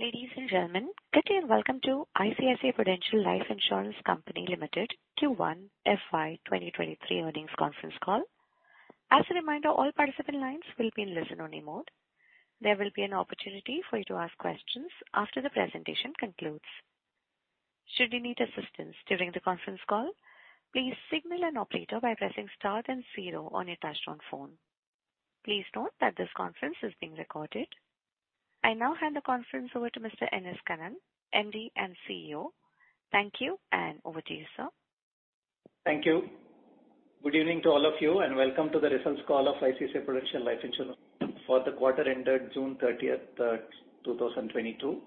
Ladies and gentlemen, good day and welcome to ICICI Prudential Life Insurance Company Limited Q1 FY 2023 Earnings Conference Call. As a reminder, all participant lines will be in listen-only mode. There will be an opportunity for you to ask questions after the presentation concludes. Should you need assistance during the conference call, please signal an operator by pressing star then zero on your touchtone phone. Please note that this conference is being recorded. I now hand the conference over to Mr. N.S. Kannan, MD and CEO. Thank you, and over to you, sir. Thank you. Good evening to all of you, and welcome to the results call of ICICI Prudential Life Insurance for the quarter ended June 30, 2022.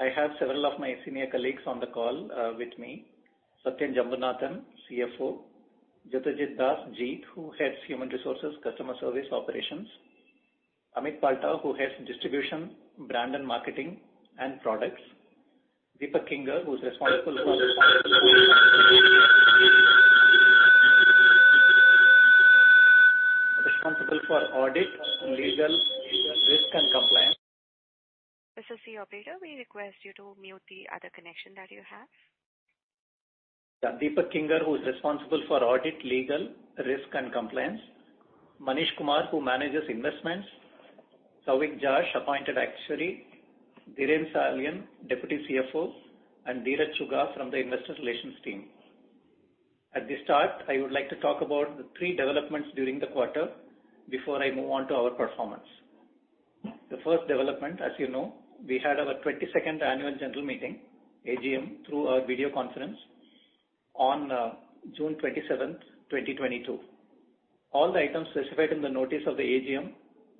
I have several of my senior colleagues on the call with me. Satyan Jambunathan, CFO. Judhajit Das, who heads Human Resources, Customer Service Operations. Amit Palta, who Heads Distribution, Brand and Marketing and Products. Deepak Kinger, responsible for Audit, Legal, Risk and Compliance. This is the operator. We request you to mute the other connection that you have. Deepak Kinger, who is responsible for Audit, Legal, Risk and Compliance. Manish Kumar, who manages Investments. Souvik Jash, Appointed Actuary. Dhiren Salian, deputy CFO. Dhiraj Chugh from the Investor Relations team. At the start, I would like to talk about the three developments during the quarter before I move on to our performance. The first development, as you know, we had our 22nd Annual General Meeting, AGM, through a video conference on June 27, 2022. All the items specified in the notice of the AGM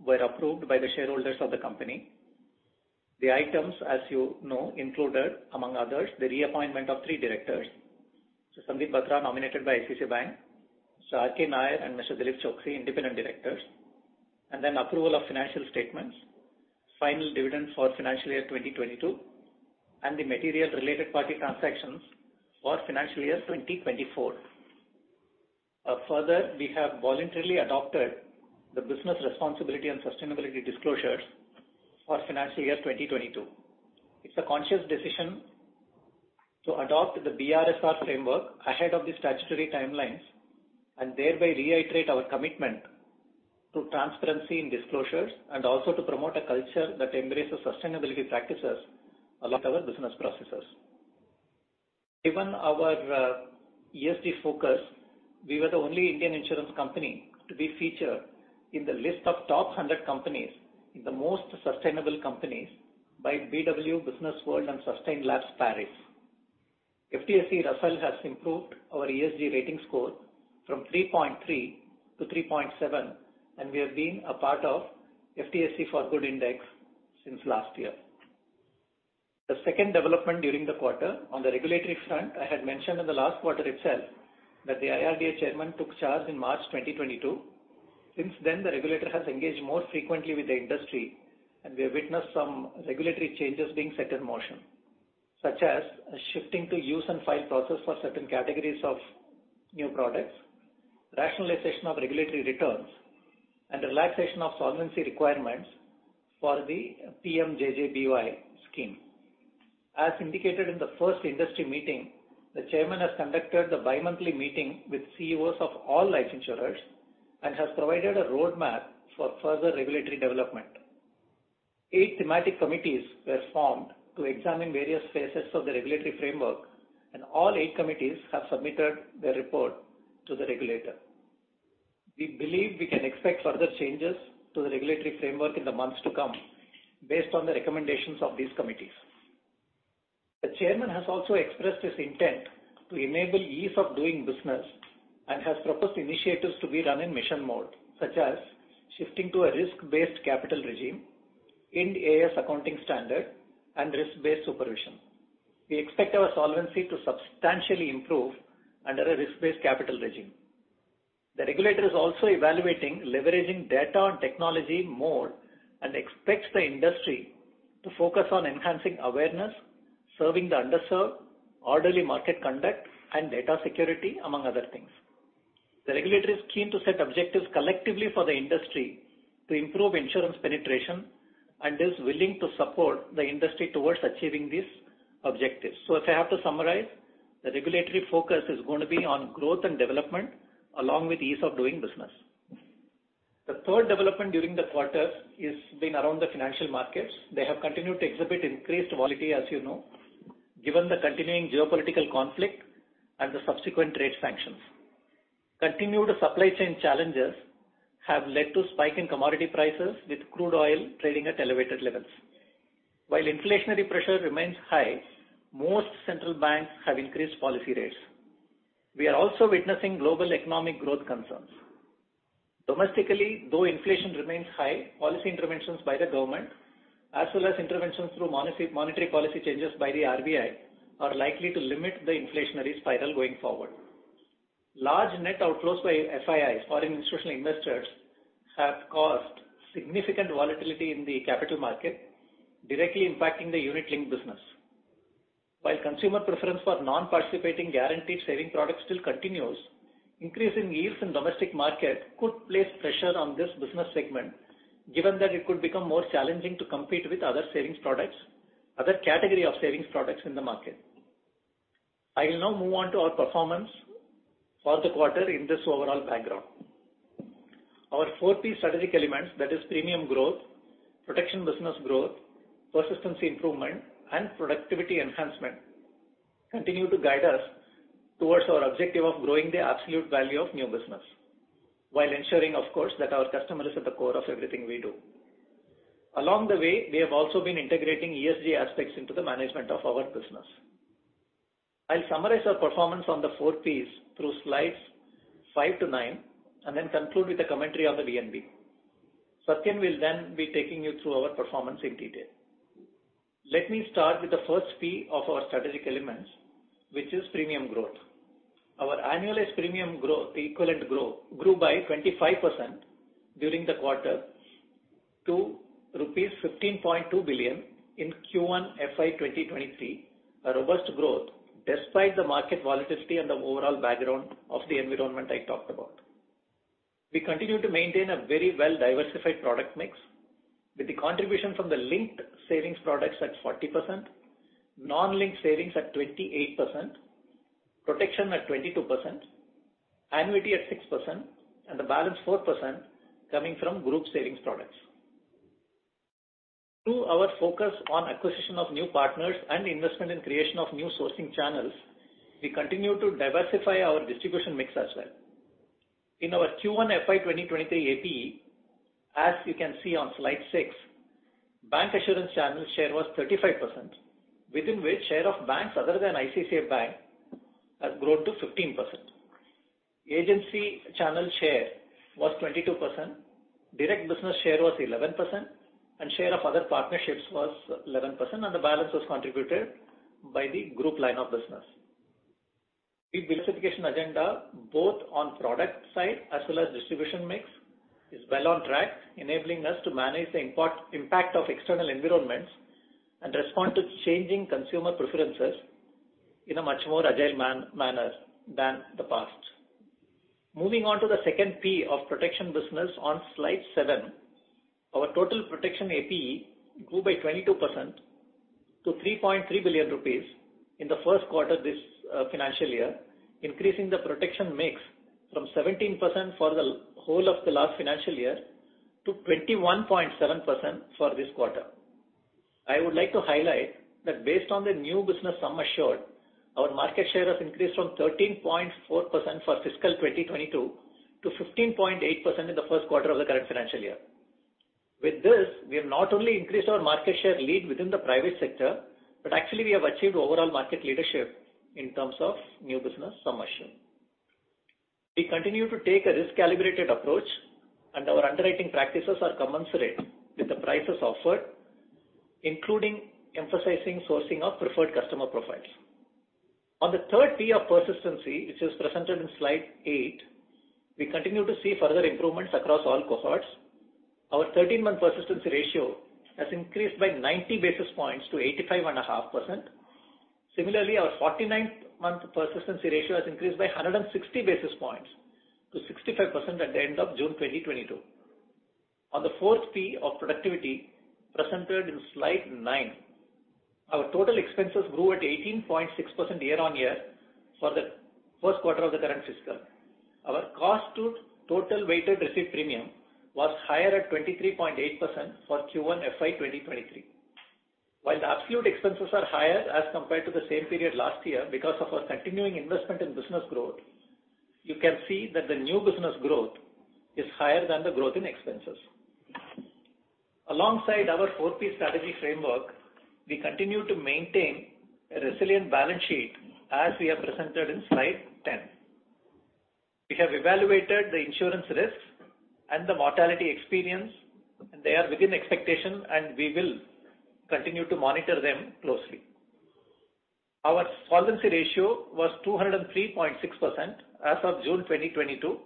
were approved by the shareholders of the company. The items, as you know, included, among others, the reappointment of three directors. Sandip Batra, nominated by ICICI Bank. Sir R.K. Nair and Mr. Dileep Choksi, Independent Directors. Then approval of financial statements. Final dividend for financial year 2022, and the material related party transactions for financial year 2024. Further, we have voluntarily adopted the business responsibility and sustainability disclosures for financial year 2022. It's a conscious decision to adopt the BRSR framework ahead of the statutory timelines, and thereby reiterate our commitment to transparency in disclosures and also to promote a culture that embraces sustainability practices along our business processes. Given our ESG focus, we were the only Indian insurance company to be featured in the list of top 100 companies in the most sustainable companies by BW Businessworld and Sustain Labs Paris. FTSE Russell has improved our ESG rating score from 3.3 to 3.7, and we have been a part of FTSE4Good Index since last year. The second development during the quarter on the regulatory front, I had mentioned in the last quarter itself that the IRDA chairman took charge in March 2022. Since then, the regulator has engaged more frequently with the industry, and we have witnessed some regulatory changes being set in motion, such as shifting to use-and-file process for certain categories of new products, rationalization of regulatory returns, and relaxation of solvency requirements for the PMJJBY scheme. As indicated in the first industry meeting, the chairman has conducted a bimonthly meeting with CEOs of all life insurers and has provided a roadmap for further regulatory development. Eight thematic committees were formed to examine various phases of the regulatory framework, and all eight committees have submitted their report to the regulator. We believe we can expect further changes to the regulatory framework in the months to come based on the recommendations of these committees. The chairman has also expressed his intent to enable ease of doing business and has proposed initiatives to be run in mission mode, such as shifting to a risk-based capital regime in Ind AS accounting standard and risk-based supervision. We expect our solvency to substantially improve under a risk-based capital regime. The regulator is also evaluating leveraging data on technology more and expects the industry to focus on enhancing awareness, serving the underserved, orderly market conduct and data security, among other things. The regulator is keen to set objectives collectively for the industry to improve insurance penetration and is willing to support the industry towards achieving these objectives. If I have to summarize, the regulatory focus is going to be on growth and development along with ease of doing business. The third development during the quarter has been around the financial markets. They have continued to exhibit increased volatility, as you know, given the continuing geopolitical conflict and the subsequent trade sanctions. Continued supply chain challenges have led to spike in commodity prices, with crude oil trading at elevated levels. While inflationary pressure remains high, most central banks have increased policy rates. We are also witnessing global economic growth concerns. Domestically, though inflation remains high, policy interventions by the government, as well as interventions through monetary policy changes by the RBI, are likely to limit the inflationary spiral going forward. Large net outflows by FIIs, foreign institutional investors, have caused significant volatility in the capital market, directly impacting the unit link business. While consumer preference for non-participating guaranteed savings products still continues, increase in yields in domestic market could place pressure on this business segment, given that it could become more challenging to compete with other savings products, other category of savings products in the market. I will now move on to our performance for the quarter in this overall background. Our four key strategic elements, that is premium growth, protection business growth, persistency improvement, and productivity enhancement, continue to guide us towards our objective of growing the absolute value of new business, while ensuring, of course, that our customer is at the core of everything we do. Along the way, we have also been integrating ESG aspects into the management of our business. I'll summarize our performance on the four Ps through slides five-nine, and then conclude with a commentary on the VNB. Satya will then be taking you through our performance in detail. Let me start with the first P of our strategic elements, which is Premium growth. Our annualized premium growth, equivalent growth, grew by 25% during the quarter to rupees 15.2 billion in Q1 FY 2023. A robust growth despite the market volatility and the overall background of the environment I talked about. We continue to maintain a very well-diversified product mix, with the contribution from the linked savings products at 40%, non-linked savings at 28%, protection at 22%, annuity at 6%, and the balance 4% coming from group savings products. Through our focus on acquisition of new partners and investment in creation of new sourcing channels, we continue to diversify our distribution mix as well. In our Q1 FY 2023 APE, as you can see on slide six, bancassurance channel share was 35%, within which share of banks other than ICICI Bank has grown to 15%. Agency channel share was 22%. Direct business share was 11%, and share of other partnerships was 11%, and the balance was contributed by the group line of business. The diversification agenda, both on product side as well as distribution mix, is well on track, enabling us to manage the impact of external environments and respond to changing consumer preferences in a much more agile manner than the past. Moving on to the second P of Protection business on slide seven. Our total protection APE grew by 22% to 3.3 billion rupees in the Q1 this financial year, increasing the protection mix from 17% for the whole of the last financial year to 21.7% for this quarter. I would like to highlight that based on the new business sum assured, our market share has increased from 13.4% for fiscal 2022 to 15.8% in the Q1 of the current financial year. With this, we have not only increased our market share lead within the private sector, but actually we have achieved overall market leadership in terms of new business sum assured. We continue to take a risk-calibrated approach, and our underwriting practices are commensurate with the prices offered, including emphasizing sourcing of preferred customer profiles. On the third P of Persistency, which is presented in slide eight, we continue to see further improvements across all cohorts. Our 13-month persistency ratio has increased by 90 basis points to 85.5%. Similarly, our 49-month persistency ratio has increased by 160 basis points to 65% at the end of June 2022. On the fourth P of Productivity, presented in slide nine, our total expenses grew at 18.6% year-on-year for the Q1 of the current fiscal. Our cost to total weighted received premium was higher at 23.8% for Q1 FY 2023. While the absolute expenses are higher as compared to the same period last year because of our continuing investment in business growth, you can see that the new business growth is higher than the growth in expenses. Alongside our four Ps strategy framework, we continue to maintain a resilient balance sheet, as we have presented in slide 10. We have evaluated the insurance risks and the mortality experience, and they are within expectation, and we will continue to monitor them closely. Our solvency ratio was 203.6% as of June 2022,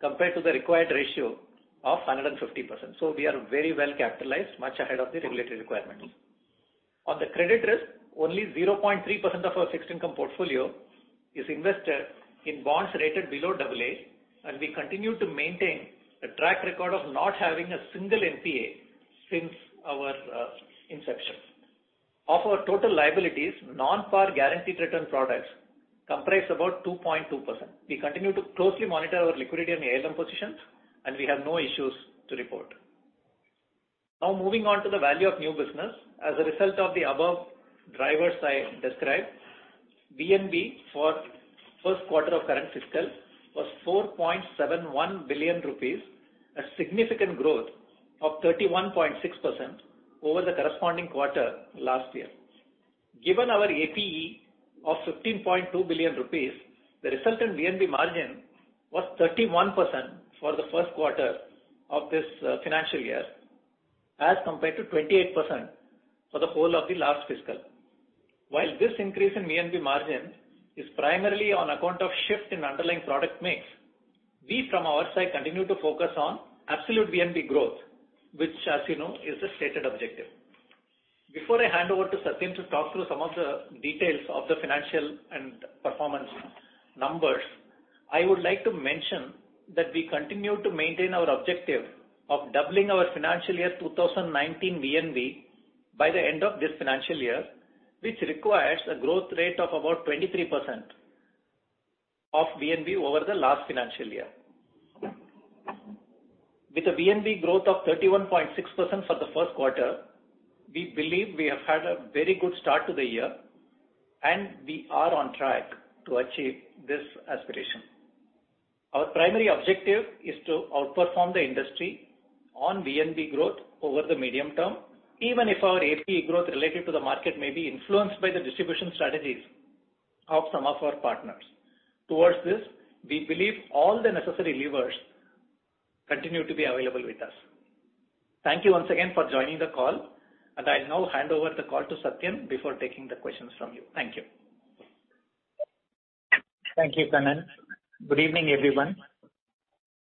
compared to the required ratio of 150%. We are very well capitalized, much ahead of the regulatory requirement. On the credit risk, only 0.3% of our fixed income portfolio is invested in bonds rated below double A, and we continue to maintain a track record of not having a single NPA since our inception. Of our total liabilities, non-par guaranteed return products comprise about 2.2%. We continue to closely monitor our liquidity and ALM positions, and we have no issues to report. Now moving on to the value of new business. As a result of the above drivers I described, VNB for Q1 of current fiscal was 4.71 billion rupees, a significant growth of 31.6% over the corresponding quarter last year. Given our APE of 15.2 billion rupees, the resultant VNB margin was 31% for the Q1 of this financial year as compared to 28% for the whole of the last fiscal. While this increase in VNB margin is primarily on account of shift in underlying product mix. We from our side continue to focus on absolute VNB growth, which as you know, is a stated objective. Before I hand over to Satyan to talk through some of the details of the financial and performance numbers, I would like to mention that we continue to maintain our objective of doubling our financial year 2019 VNB by the end of this financial year, which requires a growth rate of about 23% of VNB over the last financial year. With a VNB growth of 31.6% for the first quarter, we believe we have had a very good start to the year, and we are on track to achieve this aspiration. Our primary objective is to outperform the industry on VNB growth over the medium term, even if our APE growth related to the market may be influenced by the distribution strategies of some of our partners. Towards this, we believe all the necessary levers continue to be available with us. Thank you once again for joining the call, and I'll now hand over the call to Satyan before taking the questions from you. Thank you. Thank you, Kannan. Good evening, everyone.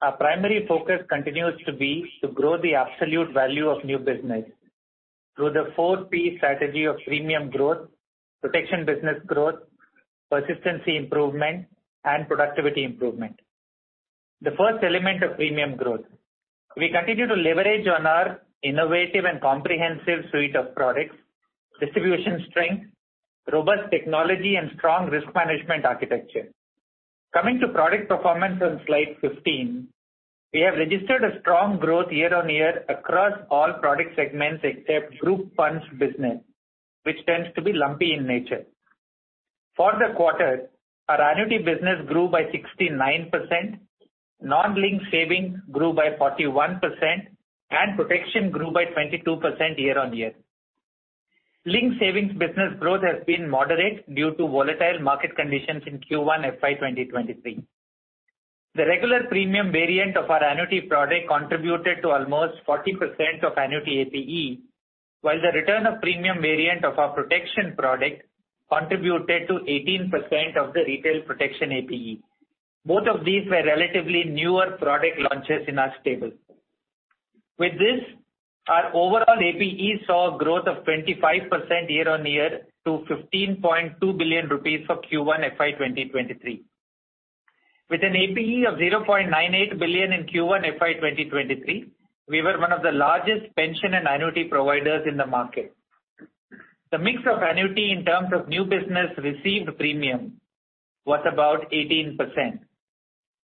Our primary focus continues to be to grow the absolute value of new business through the four P strategy of premium growth, protection business growth, persistency improvement, and productivity improvement. The first element of premium growth. We continue to leverage on our innovative and comprehensive suite of products, distribution strength, robust technology and strong risk management architecture. Coming to product performance on slide 15, we have registered a strong growth year-on-year across all product segments except group funds business, which tends to be lumpy in nature. For the quarter, our annuity business grew by 69%, non-linked savings grew by 41%, and protection grew by 22% year-on-year. Linked savings business growth has been moderate due to volatile market conditions in Q1 FY 2023. The regular premium variant of our annuity product contributed to almost 40% of annuity APE, while the return of premium variant of our protection product contributed to 18% of the retail protection APE. Both of these were relatively newer product launches in our stable. With this, our overall APE saw growth of 25% year-on-year to 15.2 billion rupees for Q1 FY 2023. With an APE of 0.98 billion in Q1 FY 2023, we were one of the largest pension and annuity providers in the market. The mix of annuity in terms of new business received premium was about 18%.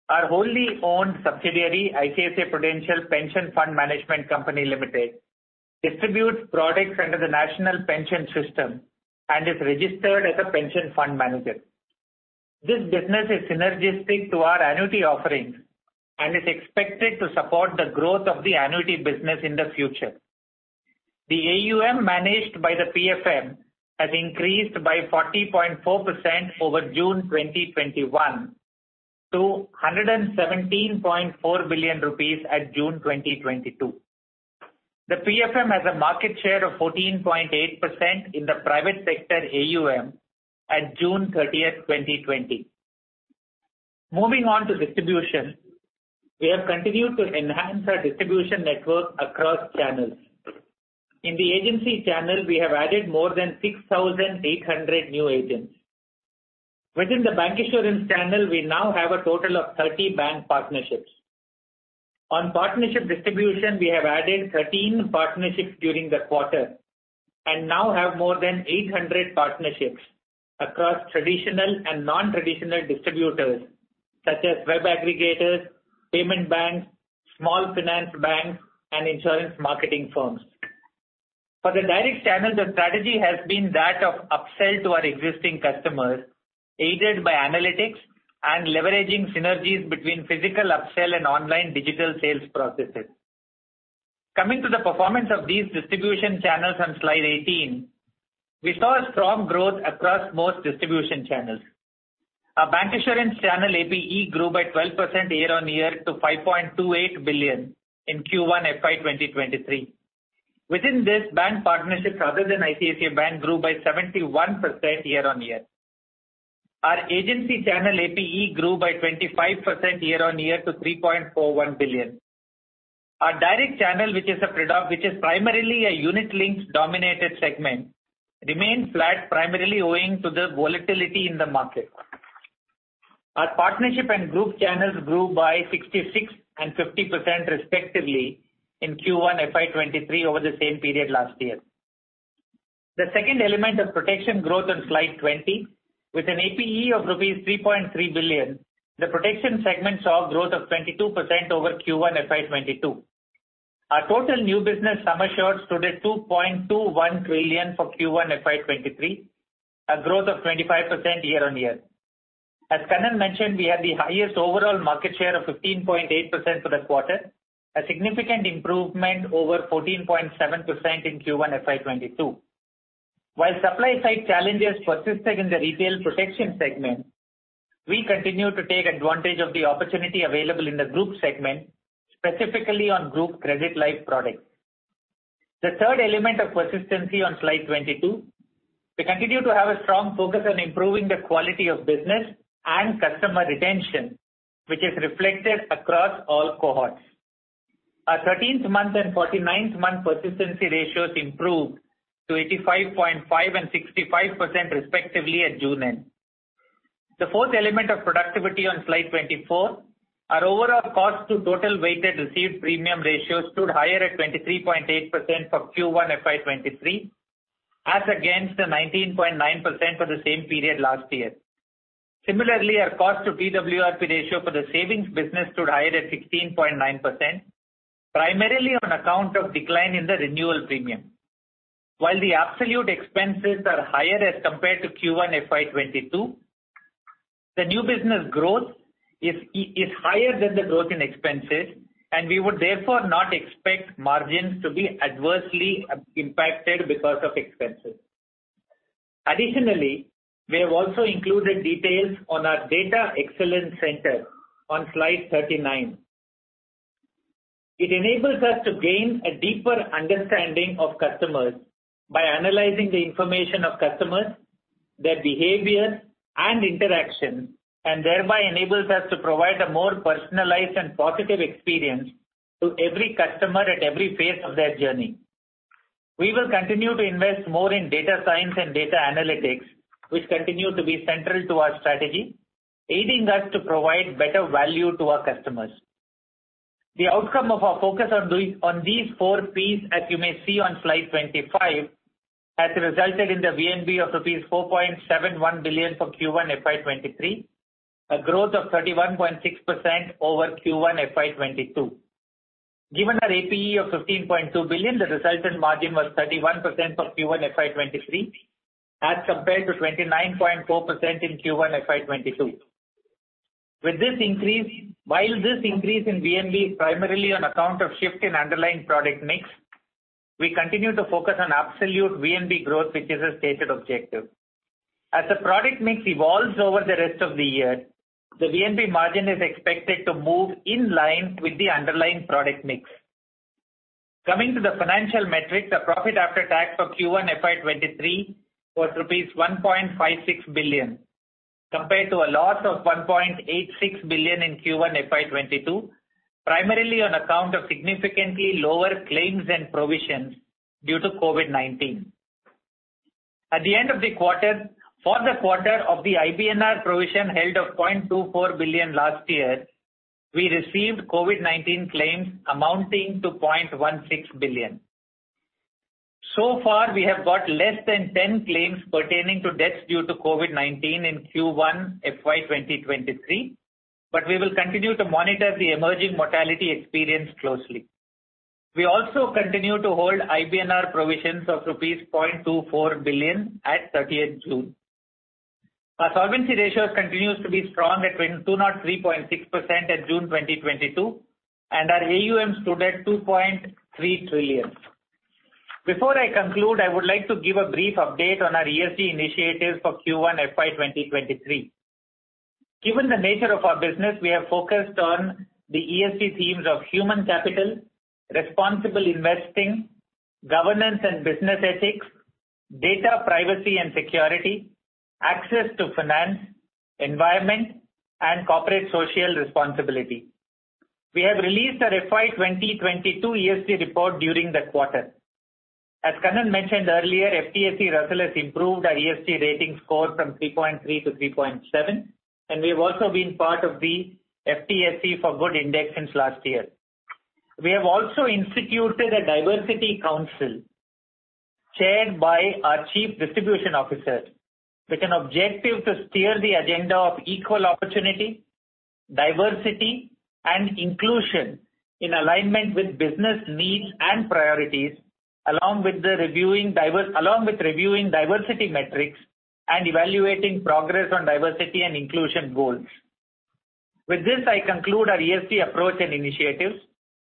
Our wholly owned subsidiary, ICICI Prudential Pension Fund Management Company Limited, distributes products under the National Pension System and is registered as a pension fund manager. This business is synergistic to our annuity offerings and is expected to support the growth of the annuity business in the future. The AUM managed by the PFM has increased by 40.4% over June 2021 to 117.4 billion rupees at June 2022. The PFM has a market share of 14.8% in the private sector AUM at June 30, 2020. Moving on to distribution. We have continued to enhance our distribution network across channels. In the agency channel, we have added more than 6,800 new agents. Within the bancassurance channel, we now have a total of 30 bank partnerships. On partnership distribution, we have added 13 partnerships during the quarter and now have more than 800 partnerships across traditional and non-traditional distributors such as web aggregators, payment banks, small finance banks, and insurance marketing firms. For the direct channel, the strategy has been that of upsell to our existing customers, aided by analytics and leveraging synergies between physical upsell and online digital sales processes. Coming to the performance of these distribution channels on slide 18, we saw a strong growth across most distribution channels. Our bancassurance channel APE grew by 12% year-on-year to 5.28 billion in Q1 FY 2023. Within this, bank partnerships other than ICICI Bank grew by 71% year-on-year. Our agency channel APE grew by 25% year-on-year to 3.41 billion. Our direct channel, which is primarily a unit-linked dominated segment, remains flat primarily owing to the volatility in the market. Our partnership and group channels grew by 66% and 50% respectively in Q1 FY 2023 over the same period last year. The second element of protection growth on slide 20, with an APE of rupees 3.3 billion, the protection segment saw growth of 22% over Q1 FY 2022. Our total new business sum assureds stood at 2.21 trillion for Q1 FY 2023, a growth of 25% year-on-year. As Kannan mentioned, we had the highest overall market share of 15.8% for the quarter, a significant improvement over 14.7% in Q1 FY 2022. While supply side challenges persisted in the retail protection segment, we continue to take advantage of the opportunity available in the group segment, specifically on group credit life products. The third element of persistency on slide 22, we continue to have a strong focus on improving the quality of business and customer retention, which is reflected across all cohorts. Our 13th-month and 49th-month persistency ratios improved to 85.5% and 65% respectively at June end. The fourth element of productivity on slide 24, our overall cost to total weighted received premium ratio stood higher at 23.8% for Q1 FY 2023, as against the 19.9% for the same period last year. Similarly, our cost to PWRP ratio for the savings business stood higher at 16.9%, primarily on account of decline in the renewal premium. While the absolute expenses are higher as compared to Q1 FY22, the new business growth is higher than the growth in expenses, and we would therefore not expect margins to be adversely impacted because of expenses. Additionally, we have also included details on our data excellence center on slide 39. It enables us to gain a deeper understanding of customers by analyzing the information of customers, their behavior and interaction, and thereby enables us to provide a more personalized and positive experience to every customer at every phase of their journey. We will continue to invest more in data science and data analytics, which continue to be central to our strategy, aiding us to provide better value to our customers. The outcome of our focus on these four P's, as you may see on slide 25, has resulted in the VNB of INR 4.71 billion for Q1 FY 2023, a growth of 31.6% over Q1 FY 2022. Given our APE of 15.2 billion, the resultant margin was 31% for Q1 FY 2023 as compared to 29.4% in Q1 FY 2022. While this increase in VNB is primarily on account of shift in underlying product mix, we continue to focus on absolute VNB growth, which is a stated objective. As the product mix evolves over the rest of the year, the VNB margin is expected to move in line with the underlying product mix. Coming to the financial metrics, the profit after tax for Q1 FY23 was rupees 1.56 billion, compared to a loss of 1.86 billion in Q1 FY22, primarily on account of significantly lower claims and provisions due to COVID-19. For the quarter of the IBNR provision held of 0.24 billion last year, we received COVID-19 claims amounting to 0.16 billion. So far we have got less than 10 claims pertaining to deaths due to COVID-19 in Q1 FY2023, but we will continue to monitor the emerging mortality experience closely. We also continue to hold IBNR provisions of INR 0.24 billion at 30th June. Our solvency ratio continues to be strong at 203.6% at June 2022, and our AUM stood at 2.3 trillion. Before I conclude, I would like to give a brief update on our ESG initiatives for Q1 FY 2023. Given the nature of our business, we are focused on the ESG themes of human capital, responsible investing, governance and business ethics, data privacy and security, access to finance, environment and corporate social responsibility. We have released our FY 2022 ESG report during the quarter. As Kannan mentioned earlier, FTSE Russell has improved our ESG rating score from 3.3-3.7, and we have also been part of the FTSE4Good index since last year. We have also instituted a diversity council chaired by our Chief Distribution Officer, with an objective to steer the agenda of equal opportunity, diversity and inclusion in alignment with business needs and priorities, along with reviewing diversity metrics and evaluating progress on diversity and inclusion goals. With this, I conclude our ESG approach and initiatives.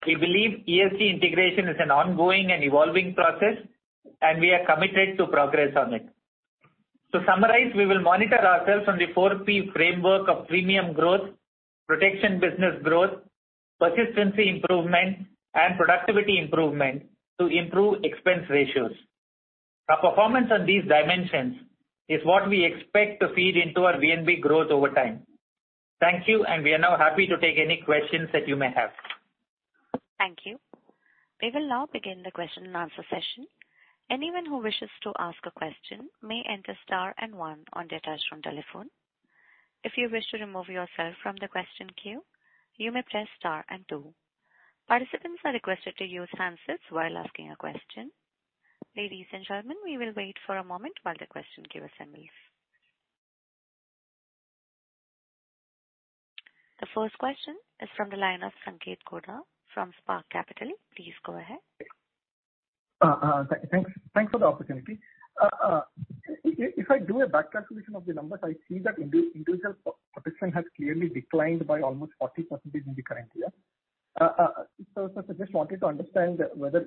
We believe ESG integration is an ongoing and evolving process, and we are committed to progress on it. To summarize, we will monitor ourselves on the four P framework of premium growth, protection business growth, persistency improvement, and productivity improvement to improve expense ratios. Our performance on these dimensions is what we expect to feed into our VNB growth over time. Thank you, and we are now happy to take any questions that you may have. Thank you. We will now begin the question and answer session. Anyone who wishes to ask a question may enter star and one on their touchtone telephone. If you wish to remove yourself from the question queue, you may press star and two. Participants are requested to use handsets while asking a question. Ladies and gentlemen, we will wait for a moment while the question queue assembles. The first question is from the line of Sanket Godha from Spark Capital. Please go ahead. Thanks for the opportunity. If I do a back calculation of the numbers, I see that individual protection has clearly declined by almost 40% in the current year. I just wanted to understand whether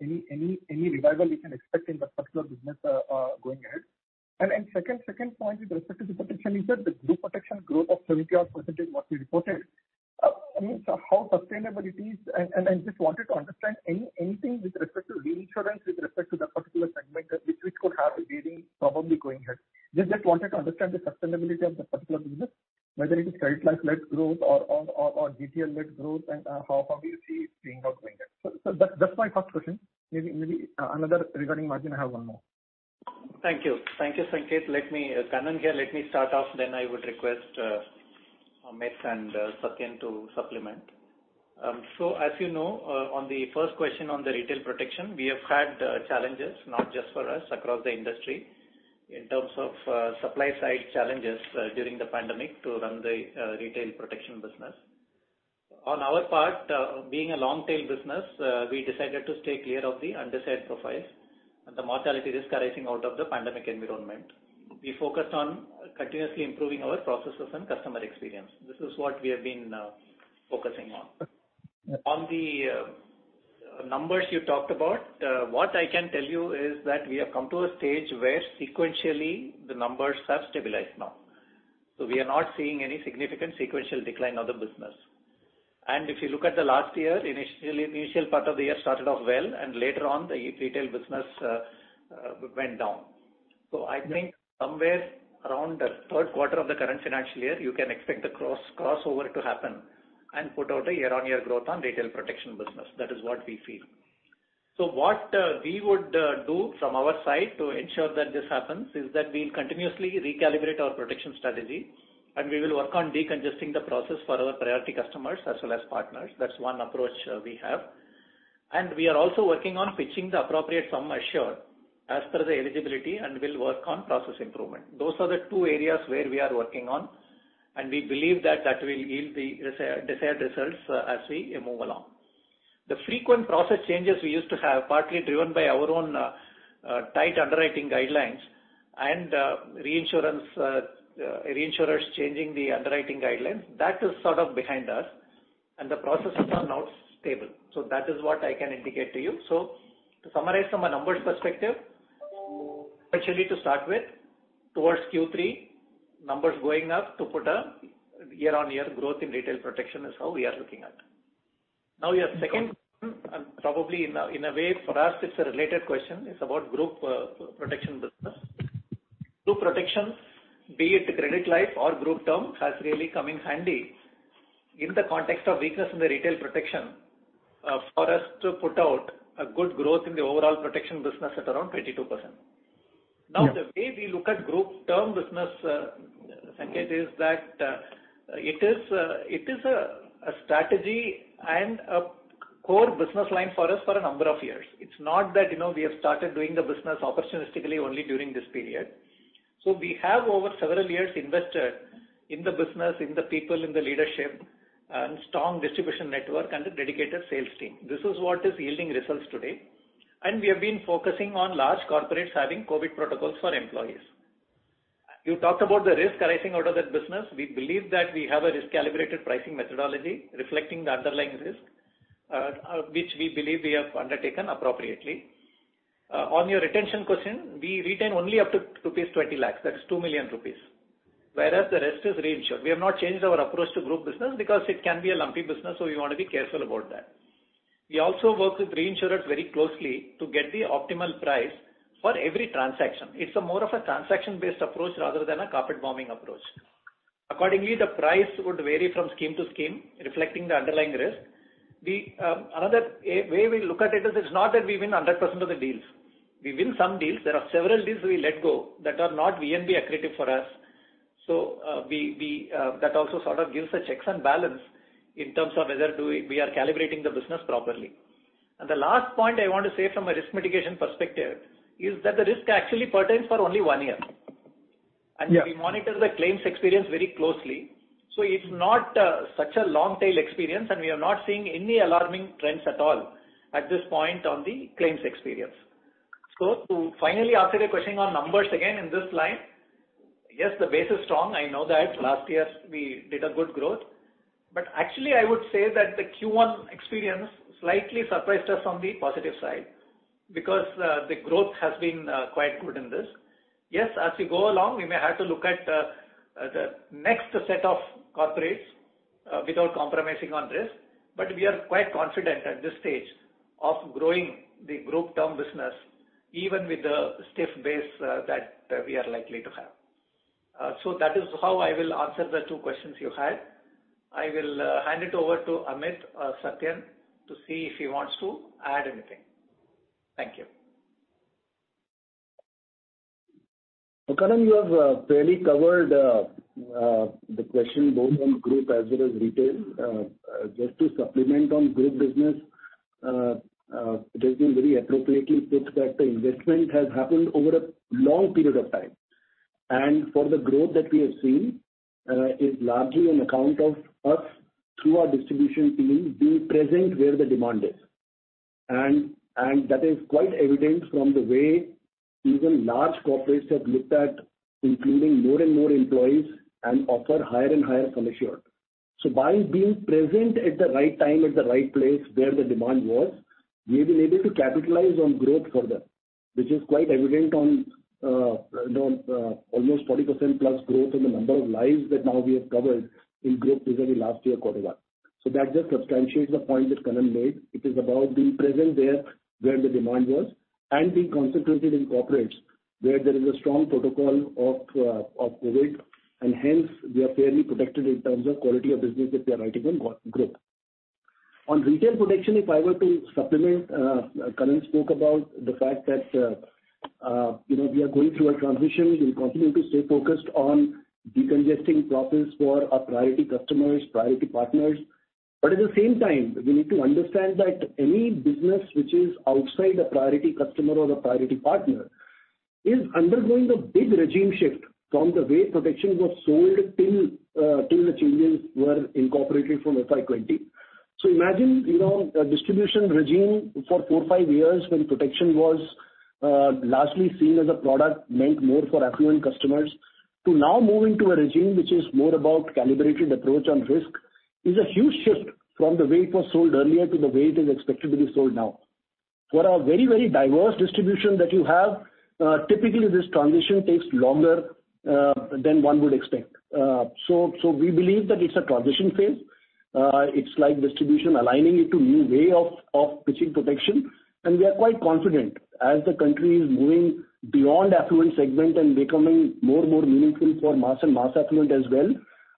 any revival we can expect in that particular business going ahead? Second point with respect to the protection you said, the group protection growth of 70-odd% what you reported, I mean, how sustainable it is and I just wanted to understand anything with respect to reinsurance, with respect to that particular segment that which we could have a bearing probably going ahead. Just wanted to understand the sustainability of that particular business, whether it is Credit Life led growth or GTL led growth and how far do you see it playing out going ahead. That's my first question. Maybe another regarding margin, I have one more. Thank you. Thank you, Sanket. N.S. Kannan here. Let me start off, then I would request, Amit and, Satyan to supplement. As you know, on the first question on the retail protection, we have had challenges not just for us, across the industry in terms of supply side challenges, during the pandemic to run the retail protection business. On our part, being a long tail business, we decided to stay clear of the undesired profiles and the mortality risk arising out of the pandemic environment. We focused on continuously improving our processes and customer experience. This is what we have been focusing on. On the numbers you talked about, what I can tell you is that we have come to a stage where sequentially the numbers have stabilized now. We are not seeing any significant sequential decline of the business. If you look at the last year, initial part of the year started off well, and later on the e-retail business went down. I think somewhere around the Q3 of the current financial year, you can expect the crossover to happen and put out a year on year growth on retail protection business. That is what we feel. What we would do from our side to ensure that this happens is that we'll continuously recalibrate our protection strategy and we will work on decongesting the process for our priority customers as well as partners. That's one approach we have. We are also working on pitching the appropriate sum assured as per the eligibility and will work on process improvement. Those are the two areas where we are working on, and we believe that will yield the desired results, as we move along. The frequent process changes we used to have, partly driven by our own tight underwriting guidelines and reinsurers changing the underwriting guidelines, that is sort of behind us and the processes are now stable. That is what I can indicate to you. To summarize from a numbers perspective, actually to start with, towards Q3 numbers going up to put a year on year growth in retail protection is how we are looking at it. Now, your second one, and probably in a way for us it's a related question, it's about group protection business. Group protection, be it credit life or group term, has really come in handy in the context of weakness in the retail protection, for us to put out a good growth in the overall protection business at around 22%. Now, the way we look at group term business, Sanket, is that it is a strategy and a core business line for us for a number of years. It's not that, you know, we have started doing the business opportunistically only during this period. We have over several years invested in the business, in the people, in the leadership and strong distribution network and a dedicated sales team. This is what is yielding results today. We have been focusing on large corporates having COVID protocols for employees. You talked about the risk arising out of that business. We believe that we have a recalibrated pricing methodology reflecting the underlying risk, which we believe we have undertaken appropriately. On your retention question, we retain only up to rupees 20 lakhs, that's 2 million rupees, whereas the rest is reinsured. We have not changed our approach to group business because it can be a lumpy business, so we want to be careful about that. We also work with reinsurers very closely to get the optimal price for every transaction. It's more of a transaction-based approach rather than a carpet bombing approach. Accordingly, the price would vary from scheme to scheme, reflecting the underlying risk. We, another way we look at it is it's not that we win 100% of the deals. We win some deals. There are several deals we let go that are not VNB accretive for us. That also sort of gives the checks and balances in terms of whether we are calibrating the business properly. The last point I want to say from a risk mitigation perspective is that the risk actually pertains for only one year. We monitor the claims experience very closely. It's not such a long tail experience, and we are not seeing any alarming trends at all at this point on the claims experience. To finally answer your question on numbers again in this line, yes, the base is strong. I know that last year we did a good growth. Actually I would say that the Q1 experience slightly surprised us on the positive side because the growth has been quite good in this. Yes, as we go along, we may have to look at the next set of corporates without compromising on risk. We are quite confident at this stage of growing the group term business, even with the stiff base that we are likely to have. That is how I will answer the two questions you had. I will hand it over to Amit, Satyan to see if he wants to add anything. Thank you. N. S. Kannan, you have fairly covered the question both on group as well as retail. Just to supplement on group business, it has been very appropriately put that the investment has happened over a long period of time. For the growth that we have seen is largely on account of us through our distribution team being present where the demand is. That is quite evident from the way even large corporates have looked at including more and more employees and offer higher and higher sum assured. By being present at the right time, at the right place where the demand was, we have been able to capitalize on growth further, which is quite evident on almost 40%+ growth in the number of lives that now we have covered in growth, especially last year quarter one. That just substantiates the point that Kannan made. It is about being present there where the demand was and being concentrated in corporates where there is a strong protocol of COVID and hence we are fairly protected in terms of quality of business that we are writing and growth. On retail protection, if I were to supplement, Kannan spoke about the fact that, you know, we are going through a transition. We'll continue to stay focused on decongesting profits for our priority customers, priority partners. At the same time, we need to understand that any business which is outside the priority customer or the priority partner is undergoing a big regime shift from the way protection was sold till the changes were incorporated from FY 2020. Imagine, you know, a distribution regime for four, five years where protection was largely seen as a product meant more for affluent customers to now moving to a regime which is more about calibrated approach on risk is a huge shift from the way it was sold earlier to the way it is expected to be sold now. For a very, very diverse distribution that you have, typically this transition takes longer than one would expect. We believe that it's a transition phase. It's like distribution aligning it to new way of pitching protection, and we are quite confident as the country is moving beyond affluent segment and becoming more and more meaningful for mass and mass affluent as well.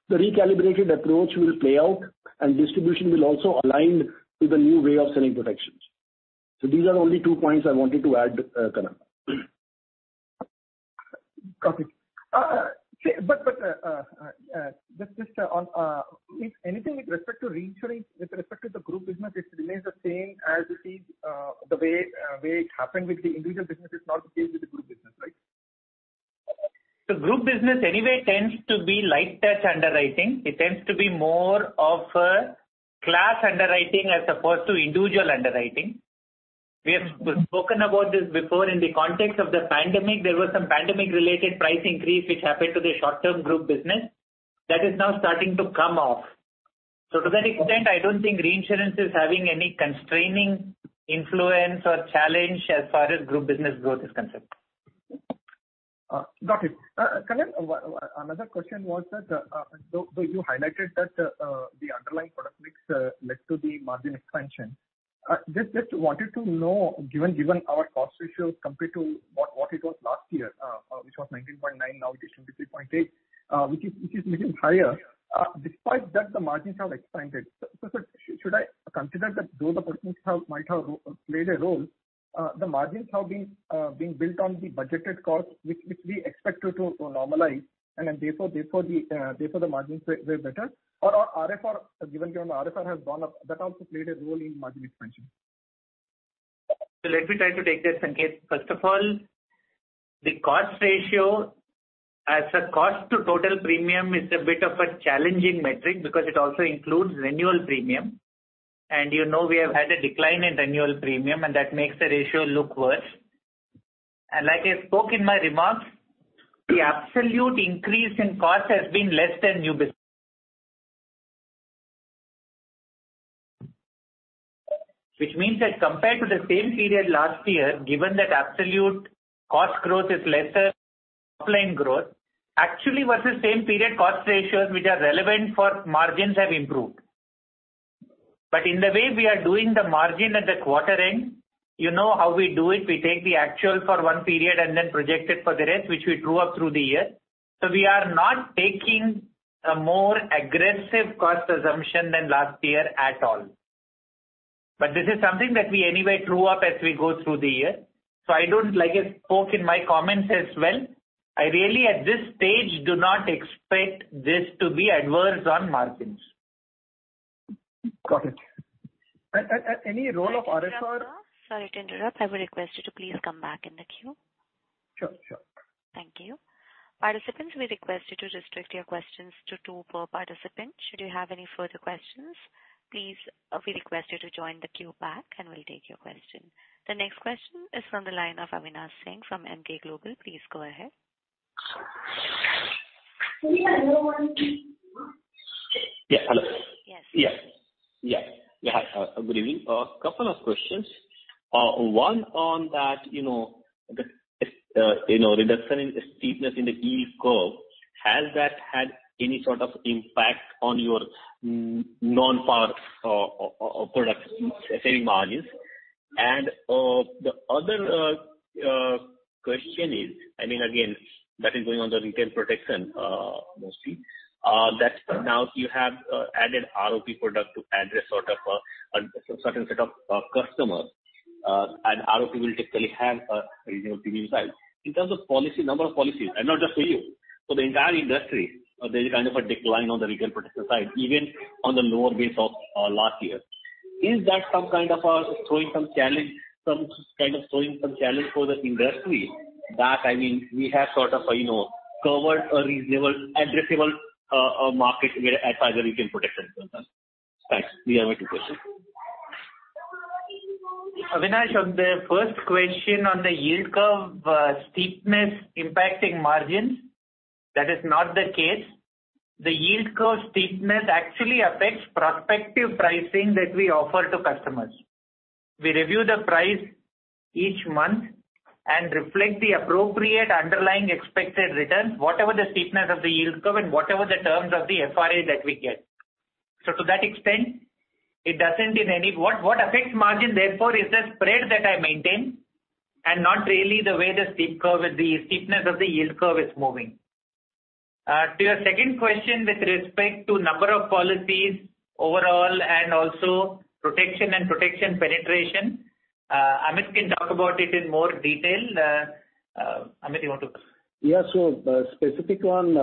The recalibrated approach will play out and distribution will also align to the new way of selling protections. These are only two points I wanted to add, Kannan. Got it. Just on if anything with respect to reinsurance, with respect to the group business, it remains the same as it is, the way it happened with the individual business. It's not the case with the group business, right? The group business anyway tends to be light touch underwriting. It tends to be more of a class underwriting as opposed to individual underwriting. We have spoken about this before in the context of the pandemic. There was some pandemic related price increase which happened to the short-term group business that is now starting to come off. To that extent, I don't think reinsurance is having any constraining influence or challenge as far as group business growth is concerned. Got it. N. S. Kannan, another question was that, you highlighted that, the underlying product mix led to the margin expansion. Just wanted to know, given our cost ratios compared to what it was last year, which was 19.9%, now it is 23.8%, which is a little higher, despite that the margins have expanded. Should I consider that though the premiums might have played a role, the margins have been built on the budgeted costs which we expect to normalize and therefore the margins were better or RFR, given RFR has gone up, that also played a role in margin expansion. Let me try to take that, Sanket. First of all, the cost ratio as a cost to total premium is a bit of a challenging metric because it also includes renewal premium. You know, we have had a decline in renewal premium and that makes the ratio look worse. Like I spoke in my remarks, the absolute increase in cost has been less than new business. Which means that compared to the same period last year, given that absolute cost growth is lesser top line growth actually versus same period cost ratios which are relevant for margins have improved. In the way we are doing the margin at the quarter end, you know how we do it. We take the actual for one period and then project it for the rest, which we true up through the year. We are not taking a more aggressive cost assumption than last year at all. This is something that we anyway true up as we go through the year. Like I spoke in my comments as well. I really at this stage do not expect this to be adverse on margins. Got it. Any role of RFR Sorry to interrupt, sir. Sorry to interrupt. I would request you to please come back in the queue. Sure. Sure. Thank you. Participants, we request you to restrict your questions to two per participant. Should you have any further questions, please, we request you to join the queue back and we'll take your question. The next question is from the line of Avinash Singh from Emkay Global. Please go ahead. Yeah. Hello. Yes. Yeah. Good evening. A couple of questions. One on that, you know, the reduction in steepness in the yield curve. Has that had any sort of impact on your non-par products saving margins? The other question is, I mean, again, that is going on the retail protection, mostly, that now you have added ROP product to address sort of a certain set of customers. ROP will typically have a renewal premium side. In terms of policy, number of policies and not just for you, for the entire industry, there's kind of a decline on the retail protection side, even on the lower base of last year. Is that some kind of throwing some challenge for the industry that, I mean, we have sort of, you know, covered a reasonable addressable market as far as the retail protection concerned. Thanks. These are my two questions. Avinash, on the first question on the yield curve, steepness impacting margins, that is not the case. The yield curve steepness actually affects prospective pricing that we offer to customers. We review the price each month and reflect the appropriate underlying expected returns, whatever the steepness of the yield curve and whatever the terms of the FRA that we get. To that extent, it doesn't. What affects margin therefore is the spread that I maintain and not really the way the steep curve is, the steepness of the yield curve is moving. To your second question with respect to number of policies overall and also protection and protection penetration, Amit can talk about it in more detail. Amit, you want to Yeah. Specific one,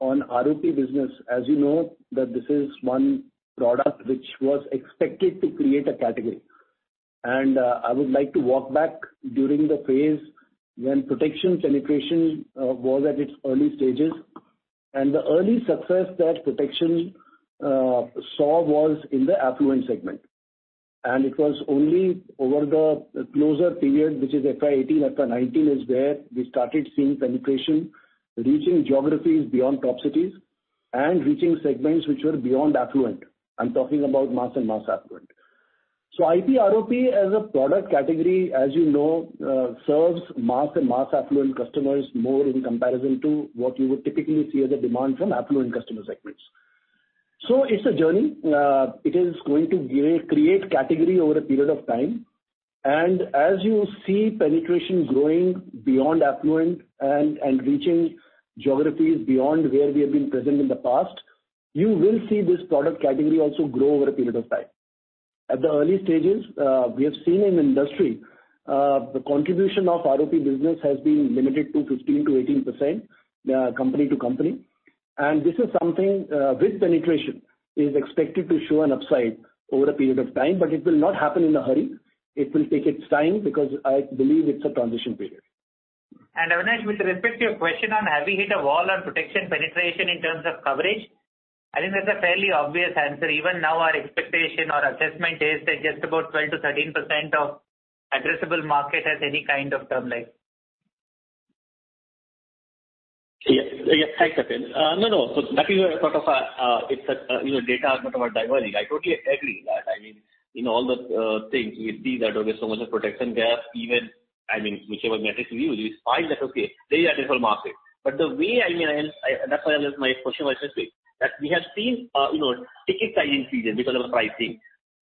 on ROP business, as you know that this is one product which was expected to create a category. I would like to walk back during the phase when protection penetration was at its early stages. The early success that protection saw was in the affluent segment. It was only over the closer period, which is FY 18, FY 19, is where we started seeing penetration reaching geographies beyond top cities and reaching segments which were beyond affluent. I'm talking about mass and mass affluent. IP ROP as a product category, as you know, serves mass and mass affluent customers more in comparison to what you would typically see as a demand from affluent customer segments. It's a journey. It is going to create category over a period of time. As you see penetration growing beyond affluent and reaching geographies beyond where we have been present in the past, you will see this product category also grow over a period of time. At the early stages, we have seen in industry the contribution of ROP business has been limited to 15%-18%, company to company. This is something with penetration is expected to show an upside over a period of time, but it will not happen in a hurry. It will take its time because I believe it's a transition period. Avinash, with respect to your question on have we hit a wall on protection penetration in terms of coverage, I think that's a fairly obvious answer. Even now, our expectation or assessment is that just about 12%-13% of addressable market has any kind of term life. Yeah. Thanks, Satyan. That is where sort of it's a, you know, data are sort of diverging. I totally agree that, I mean, in all the things we see that there's so much of protection there, even, I mean, whichever metrics we use, we find that, okay, there is addressable market. But the way, I mean, and that's why my question was this way, that we have seen, you know, ticket size increasing because of the pricing.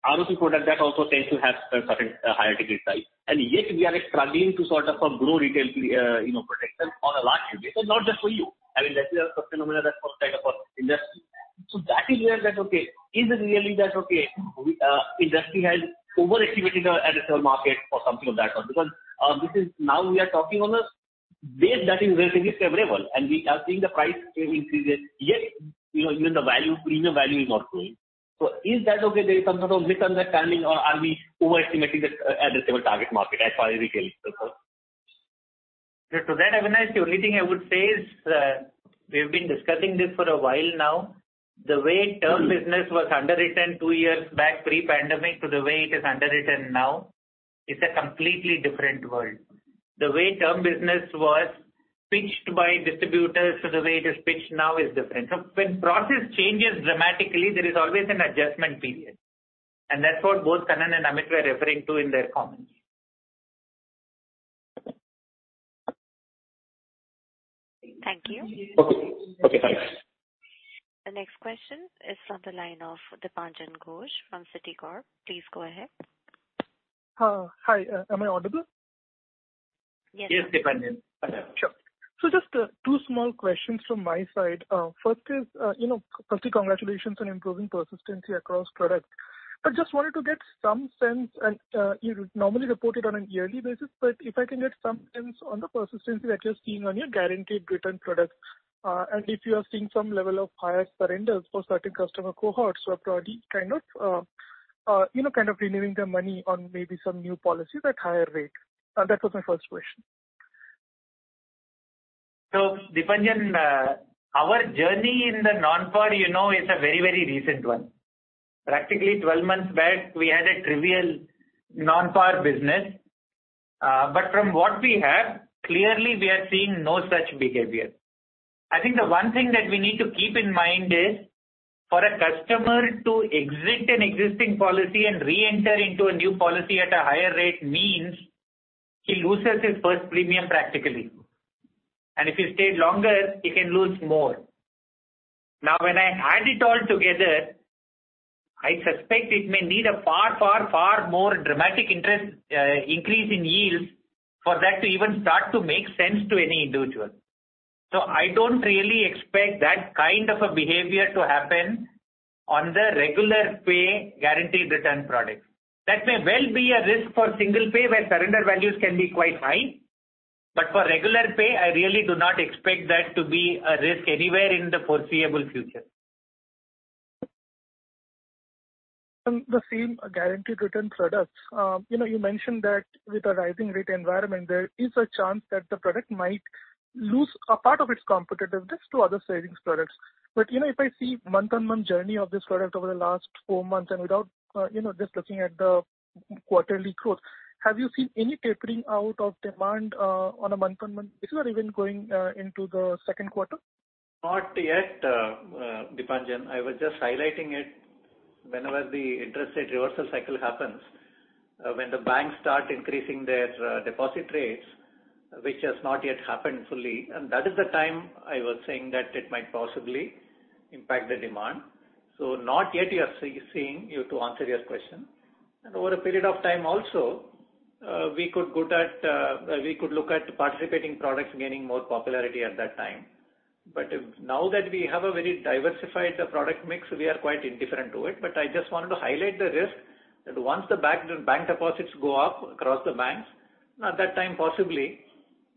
ROP product that also tends to have a certain higher ticket size. Yet we are struggling to sort of grow retail protection on a large unit. Not just for you. I mean, that is a phenomenon that's sort of like across industry. That is where that's okay. Is it really that industry has overactivated the addressable market or something of that sort? Because we are talking on a base that is relatively favorable, and we are seeing the price increases, yet, you know, even the value, premium value is not growing. Is there some sort of misunderstanding or are we overestimating the addressable target market as far as retail is concerned? To that, Avinash, the only thing I would say is, we've been discussing this for a while now. The way term business was underwritten two years back pre-pandemic to the way it is underwritten now is a completely different world. The way term business was pitched by distributors to the way it is pitched now is different. When process changes dramatically, there is always an adjustment period. That's what both Kannan and Amit were referring to in their comments. Okay. Thank you. Okay. Okay, thanks. The next question is from the line of Dipanjan Ghosh from Citigroup. Please go ahead. Hi. Am I audible? Yes. Yes, Dipanjan. Sure. Just two small questions from my side. First is, you know, firstly, congratulations on improving persistency across products. I just wanted to get some sense and, you normally report it on a yearly basis, but if I can get some sense on the persistency that you're seeing on your guaranteed return products, and if you are seeing some level of higher surrenders for certain customer cohorts who are probably kind of, you know, kind of renewing their money on maybe some new policy but higher rate. That was my first question. Dipanjan, our journey in the non-par, you know, is a very, very recent one. Practically 12 months back, we had a trivial non-par business. From what we have, clearly we are seeing no such behavior. I think the one thing that we need to keep in mind is for a customer to exit an existing policy and re-enter into a new policy at a higher rate means he loses his first premium practically. If he stayed longer, he can lose more. Now, when I add it all together, I suspect it may need a far, far, far more dramatic interest increase in yields for that to even start to make sense to any individual. I don't really expect that kind of a behavior to happen on the regular pay guaranteed return products. That may well be a risk for single pay, where surrender values can be quite high, but for regular pay, I really do not expect that to be a risk anywhere in the foreseeable future. On the same guaranteed return products, you know, you mentioned that with a rising rate environment, there is a chance that the product might lose a part of its competitiveness to other savings products. You know, if I see month-on-month journey of this product over the last four months. Quarterly growth. Have you seen any tapering out of demand, on a month-on-month basis or even going, into the Q2? Not yet, Dipanjan. I was just highlighting it whenever the interest rate reversal cycle happens, when the banks start increasing their deposit rates, which has not yet happened fully, and that is the time I was saying that it might possibly impact the demand. Not yet we are seeing, to answer your question. Over a period of time also, we could look at participating products gaining more popularity at that time. Now that we have a very diversified product mix, we are quite indifferent to it. I just wanted to highlight the risk that once the bank deposits go up across the banks, at that time possibly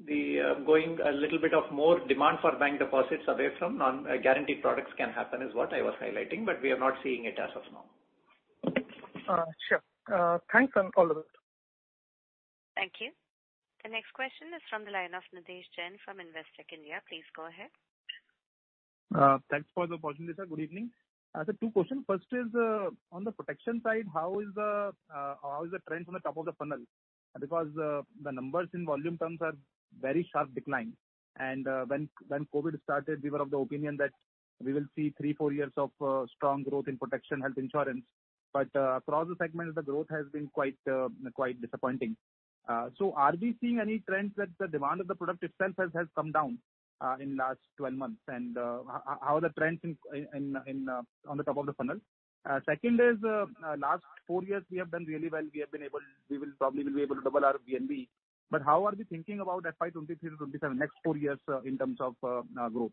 there is going to be a little bit more demand for bank deposits away from non-guaranteed products can happen, is what I was highlighting, but we are not seeing it as of now. Sure. Thanks on all of that. Thank you. The next question is from the line of Nirdesh Jain from Investec India. Please go ahead. Thanks for the opportunity, sir. Good evening. I have two questions. First is on the protection side, how is the trend from the top of the funnel? Because the numbers in volume terms are very sharp decline. When COVID started, we were of the opinion that we will see three-four years of strong growth in protection health insurance. Across the segment, the growth has been quite disappointing. So are we seeing any trends that the demand of the product itself has come down in last 12 months and how are the trends on the top of the funnel? Second is last four years we have done really well. We will probably be able to double our VNB. How are we thinking about FY 23-27, next four years in terms of growth?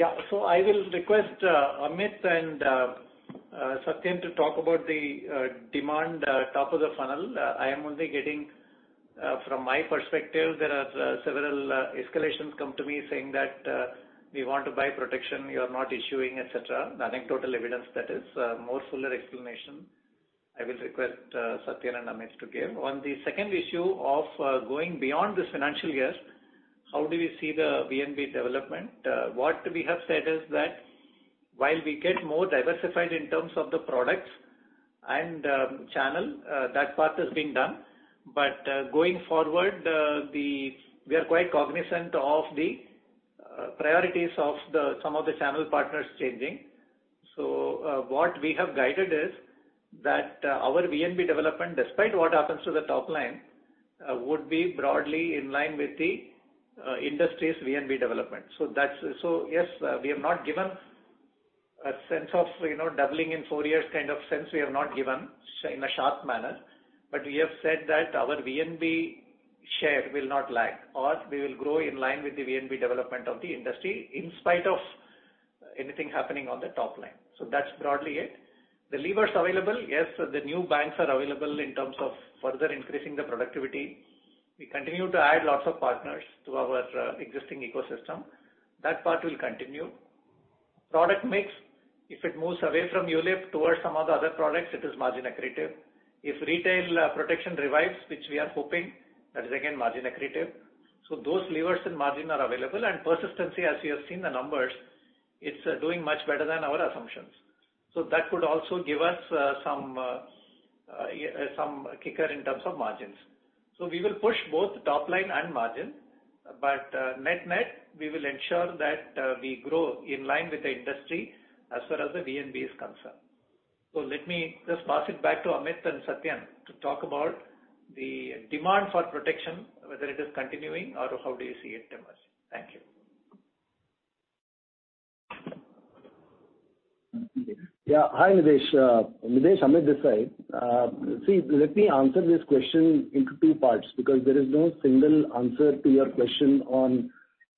I will request Amit and Satyan to talk about the demand, top of the funnel. I am only getting from my perspective, there are several escalations come to me saying that we want to buy protection, you are not issuing, et cetera. The anecdotal evidence that is more full explanation, I will request Satyan and Amit to give. On the second issue of going beyond this financial year, how do we see the VNB development? What we have said is that while we get more diversified in terms of the products and channel, that part is being done. Going forward, we are quite cognizant of the priorities of some of the channel partners changing. What we have guided is that our VNB development, despite what happens to the top line, would be broadly in line with the industry's VNB development. Yes, we have not given a sense of, you know, doubling in four years kind of sense in a sharp manner, but we have said that our VNB share will not lag, or we will grow in line with the VNB development of the industry, in spite of anything happening on the top line. That's broadly it. The levers available, yes, the new banks are available in terms of further increasing the productivity. We continue to add lots of partners to our existing ecosystem. That part will continue. Product mix, if it moves away from ULIP towards some of the other products, it is margin accretive. If retail protection revives, which we are hoping, that is again margin accretive. Those levers in margin are available. Persistency, as you have seen the numbers, it's doing much better than our assumptions. That could also give us some kicker in terms of margins. We will push both top line and margin. Net-net, we will ensure that we grow in line with the industry as far as the VNB is concerned. Let me just pass it back to Amit and Satyan to talk about the demand for protection, whether it is continuing or how do you see it emerging. Thank you. Yeah. Hi, Nirdesh. Nirdesh, Amit this side. See, let me answer this question into two parts because there is no single answer to your question on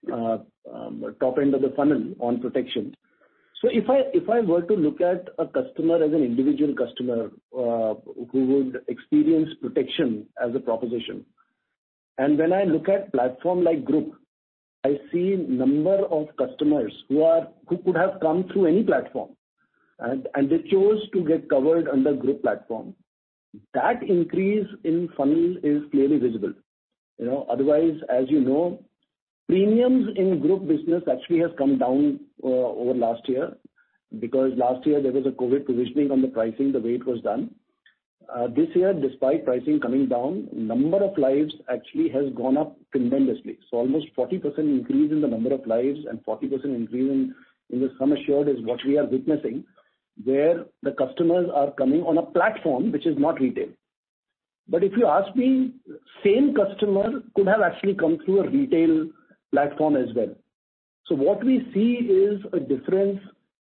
top end of the funnel on protection. If I were to look at a customer as an individual customer, who would experience protection as a proposition, and when I look at platform like group, I see number of customers who could have come through any platform and they chose to get covered under group platform. That increase in funnel is clearly visible. You know, otherwise, as you know, premiums in group business actually has come down over last year because last year there was a COVID provisioning on the pricing, the way it was done. This year despite pricing coming down, number of lives actually has gone up tremendously. Almost 40% increase in the number of lives and 40% increase in the sum assured is what we are witnessing, where the customers are coming on a platform which is not retail. If you ask me, same customer could have actually come through a retail platform as well. What we see is a difference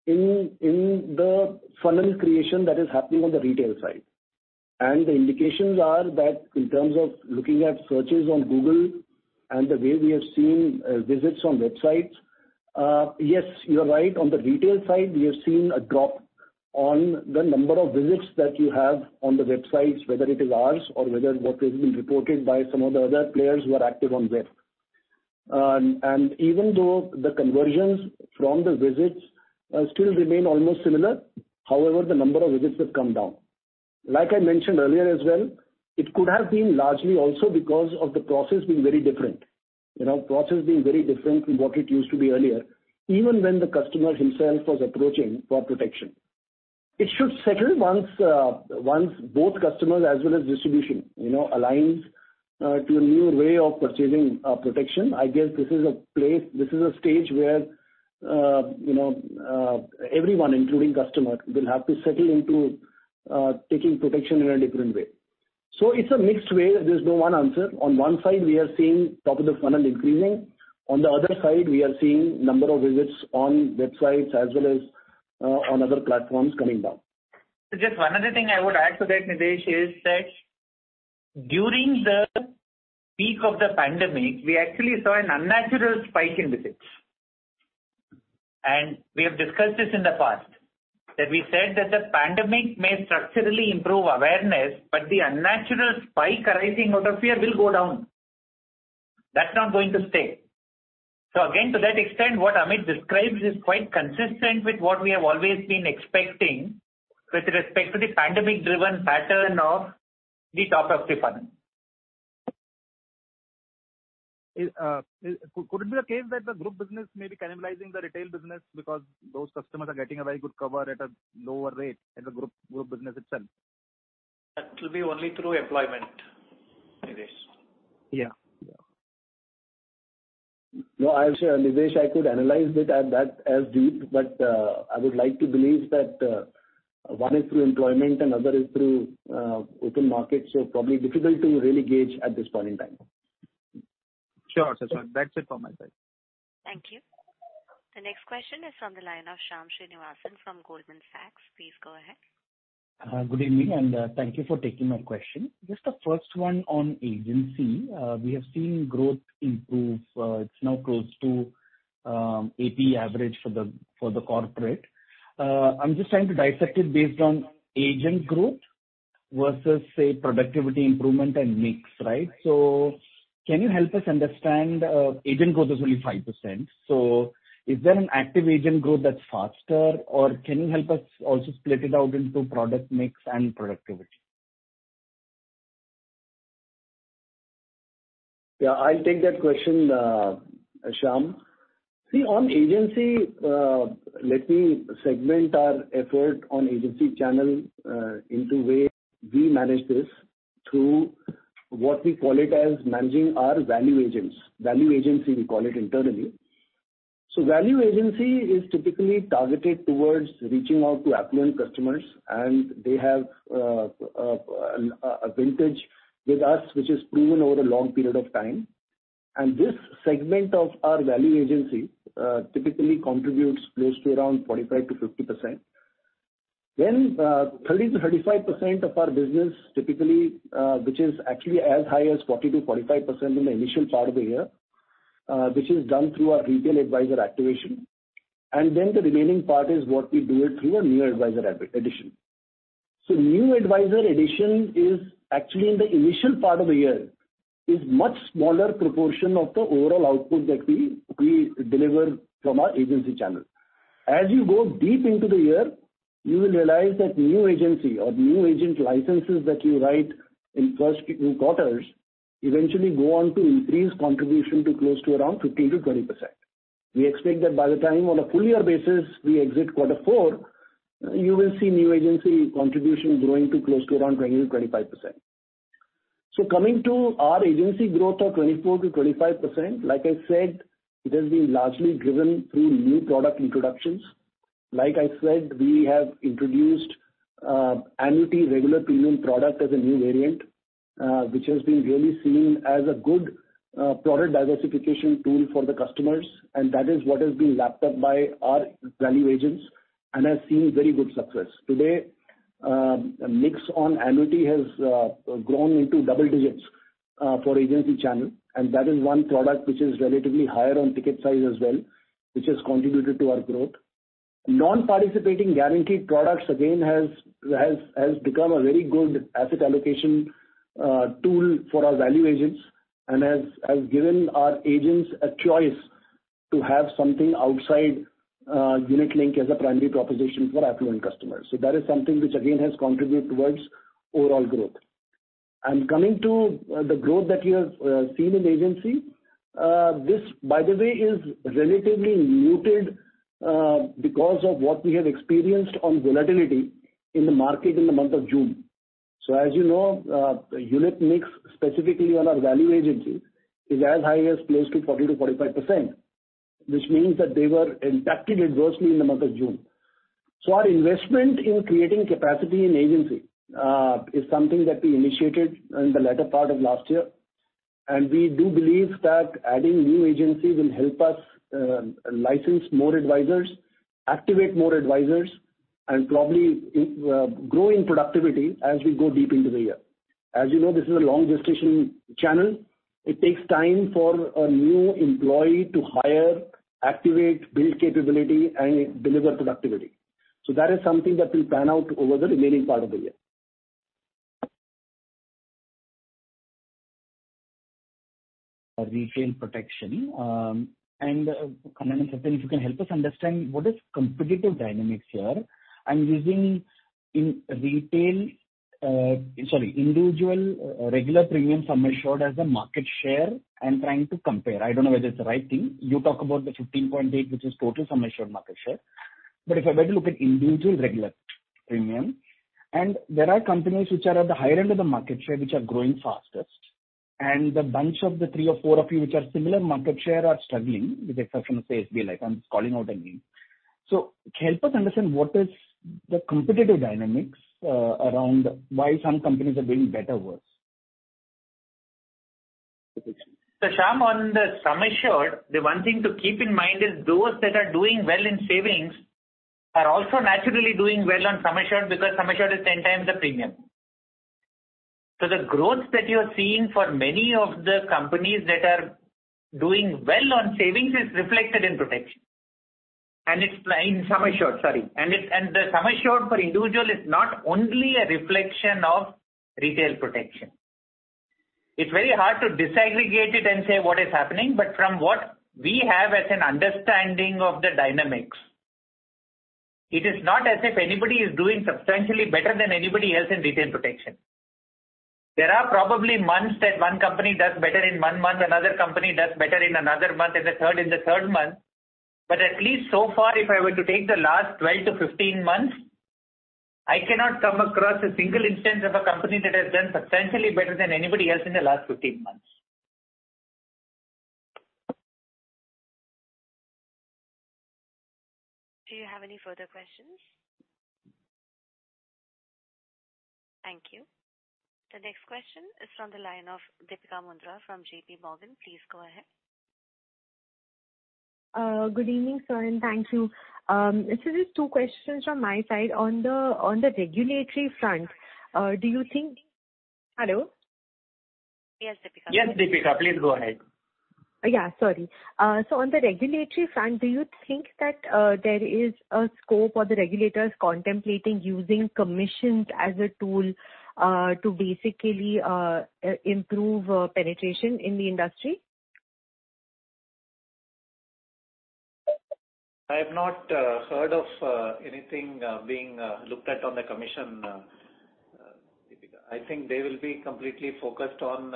in the funnel creation that is happening on the retail side. The indications are that in terms of looking at searches on Google and the way we have seen, visits on websites, yes, you are right. On the retail side, we have seen a drop in the number of visits that you have on the websites, whether it is ours or whether what has been reported by some of the other players who are active on web. Even though the conversions from the visits still remain almost similar, however, the number of visits has come down. Like I mentioned earlier as well, it could have been largely also because of the process being very different. You know, process being very different from what it used to be earlier, even when the customer himself was approaching for protection. It should settle once both customers as well as distribution, you know, aligns to a new way of perceiving protection. I guess this is a stage where, you know, everyone, including customer, will have to settle into taking protection in a different way. So it's a mixed way. There's no one answer. On one side we are seeing top of the funnel increasing. On the other side, we are seeing number of visits on websites as well as on other platforms coming down. Just one other thing I would add to that, Nidhesh, is that during the peak of the pandemic, we actually saw an unnatural spike in visits. We have discussed this in the past, that we said that the pandemic may structurally improve awareness, but the unnatural spike arising out of fear will go down. That's not going to stay. Again, to that extent, what Amit describes is quite consistent with what we have always been expecting with respect to the pandemic-driven pattern of the top of the funnel. Could it be the case that the group business may be cannibalizing the retail business because those customers are getting a very good cover at a lower rate in the group business itself? That will be only through employment, Nirdesh. Yeah. Yeah. No, I'm sure, Nirdesh, I could analyze it at that as deep, but I would like to believe that one is through employment and other is through open market, so probably difficult to really gauge at this point in time. Sure. That's it from my side. Thank you. The next question is from the line of Shyam Srinivasan from Goldman Sachs. Please go ahead. Good evening, and thank you for taking my question. Just the first one on agency. We have seen growth improve. It's now close to APE average for the corporate. I'm just trying to dissect it based on agent growth versus, say, productivity improvement and mix, right? Can you help us understand, agent growth is only 5%, so is there an active agent growth that's faster, or can you help us also split it out into product mix and productivity? Yeah, I'll take that question, Shyam. See, on agency, let me segment our effort on agency channel, into way we manage this through what we call it as managing our value agents. Value agency, we call it internally. Value agency is typically targeted towards reaching out to affluent customers, and they have a vintage with us which is proven over a long period of time. This segment of our value agency typically contributes close to around 45%-50%. 30%-35% of our business typically, which is actually as high as 40%-45% in the initial part of the year, which is done through our retail advisor activation. The remaining part is what we do it through a new advisor addition. New advisor addition is actually in the initial part of the year and is much smaller proportion of the overall output that we deliver from our agency channel. As you go deep into the year, you will realize that new agency or new agent licenses that you write in first two quarters eventually go on to increase contribution to close to around 15%-20%. We expect that by the time on a full year basis we exit quarter four, you will see new agency contribution growing to close to around 20%-25%. Coming to our agency growth of 24%-25%, like I said, it has been largely driven through new product introductions. Like I said, we have introduced, annuity regular premium product as a new variant, which has been really seen as a good, product diversification tool for the customers, and that is what has been lapped up by our value agents and has seen very good success. Today, mix on annuity has grown into double digits, for agency channel, and that is one product which is relatively higher on ticket size as well, which has contributed to our growth. Non-participating guaranteed products again has become a very good asset allocation, tool for our value agents and has given our agents a choice to have something outside, unit link as a primary proposition for affluent customers. That is something which again has contributed towards overall growth. Coming to the growth that you have seen in agency, this by the way is relatively muted because of what we have experienced on volatility in the market in the month of June. As you know, unit mix, specifically on our value agency, is as high as close to 40%-45%, which means that they were impacted adversely in the month of June. Our investment in creating capacity in agency is something that we initiated in the latter part of last year, and we do believe that adding new agencies will help us license more advisors, activate more advisors, and probably grow in productivity as we go deep into the year. As you know, this is a long gestation channel. It takes time for a new employee to hire, activate, build capability and deliver productivity. That is something that will pan out over the remaining part of the year. A retail protection. Kannan, if you can help us understand what is competitive dynamics here. I'm using in retail, individual regular premium sum assured as a market share and trying to compare. I don't know whether it's the right thing. You talk about the 15.8%, which is total sum assured market share. But if I were to look at individual regular premium, and there are companies which are at the higher end of the market share, which are growing fastest, and the bunch of the three or four of you which are similar market share are struggling with the exception of, say, SBI Life, I'm just calling out a name. Can you help us understand what is the competitive dynamics around why some companies are doing better or worse? Shyam, on the sum assured, the one thing to keep in mind is those that are doing well in savings are also naturally doing well on sum assured because sum assured is 10 times the premium. The growth that you're seeing for many of the companies that are doing well on savings is reflected in protection. The sum assured for individual is not only a reflection of retail protection. It's very hard to disaggregate it and say what is happening, but from what we have as an understanding of the dynamics, it is not as if anybody is doing substantially better than anybody else in retail protection. There are probably months that one company does better in one month, another company does better in another month, and the third in the third month. At least so far, if I were to take the last 12-15 months, I cannot come across a single instance of a company that has done substantially better than anybody else in the last 15 months. Do you have any further questions? Thank you. The next question is from the line of Deepika Mundra from JPMorgan. Please go ahead. Good evening, sir, and thank you. This is two questions from my side. On the regulatory front, do you think. Hello? Yes, Deepika. Yes, Deepika, please go ahead. Yeah, sorry. On the regulatory front, do you think that there is a scope for the regulators contemplating using commissions as a tool to basically improve penetration in the industry? I have not heard of anything being looked at on the commission, Deepika. I think they will be completely focused on,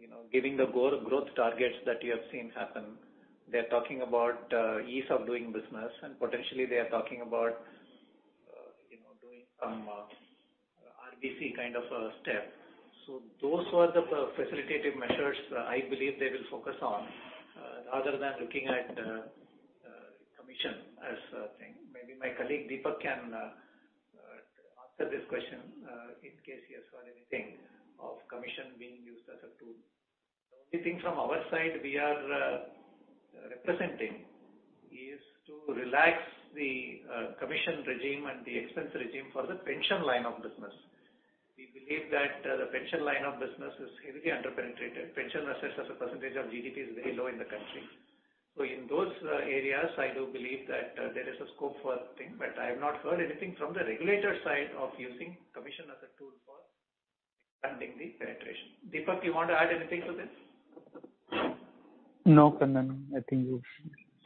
you know, giving the growth targets that you have seen happen. They're talking about ease of doing business, and potentially they are talking about, you know, doing some RBC kind of a step. Those were the facilitative measures, I believe they will focus on, rather than looking at commission as a thing. Maybe my colleague, Deepak, can answer this question, in case he has heard anything of commission being used as a tool. The only thing from our side we are representing is to relax the commission regime and the expense regime for the pension line of business. We believe that the pension line of business is heavily under-penetrated. Pension assets as a percentage of GDP is very low in the country. In those areas, I do believe that there is a scope for a thing, but I have not heard anything from the regulator side of using commission as a tool for expanding the penetration. Deepika, you want to add anything to this? No, Kannan, I think you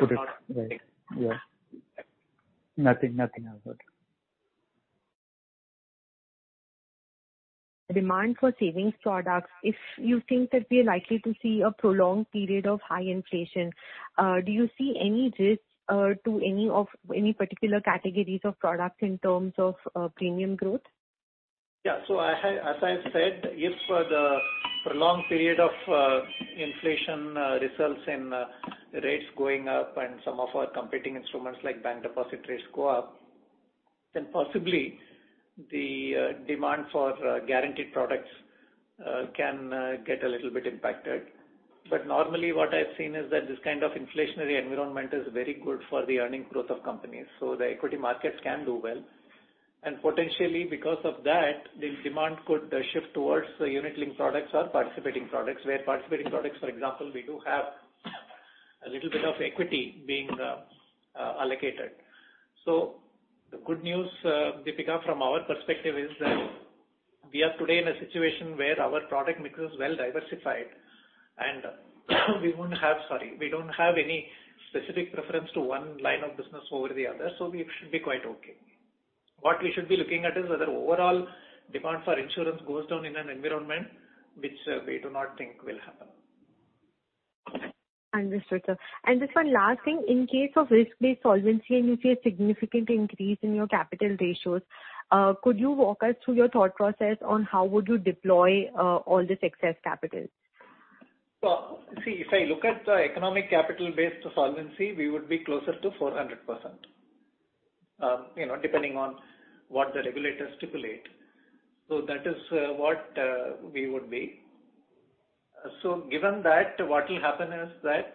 put it right. Yeah. Nothing else. Demand for savings products, if you think that we are likely to see a prolonged period of high inflation, do you see any risks to any particular categories of products in terms of premium growth? Yeah. As I said, if the prolonged period of inflation results in rates going up and some of our competing instruments like bank deposit rates go up, then possibly the demand for guaranteed products can get a little bit impacted. Normally what I've seen is that this kind of inflationary environment is very good for the earnings growth of companies, so the equity markets can do well. Potentially because of that, the demand could shift towards the unit-linked products or participating products, where participating products, for example, we do have a little bit of equity being allocated. The good news, Deepika, from our perspective is that we are today in a situation where our product mix is well diversified and we don't have any specific preference to one line of business over the other, so we should be quite okay. What we should be looking at is whether overall demand for insurance goes down in an environment which we do not think will happen. Understood, sir. Just one last thing. In case of risk-based solvency and you see a significant increase in your capital ratios, could you walk us through your thought process on how would you deploy all this excess capital? Well, see, if I look at the economic capital-based solvency, we would be closer to 400%. You know, depending on what the regulators stipulate. That is what we would be. Given that, what will happen is that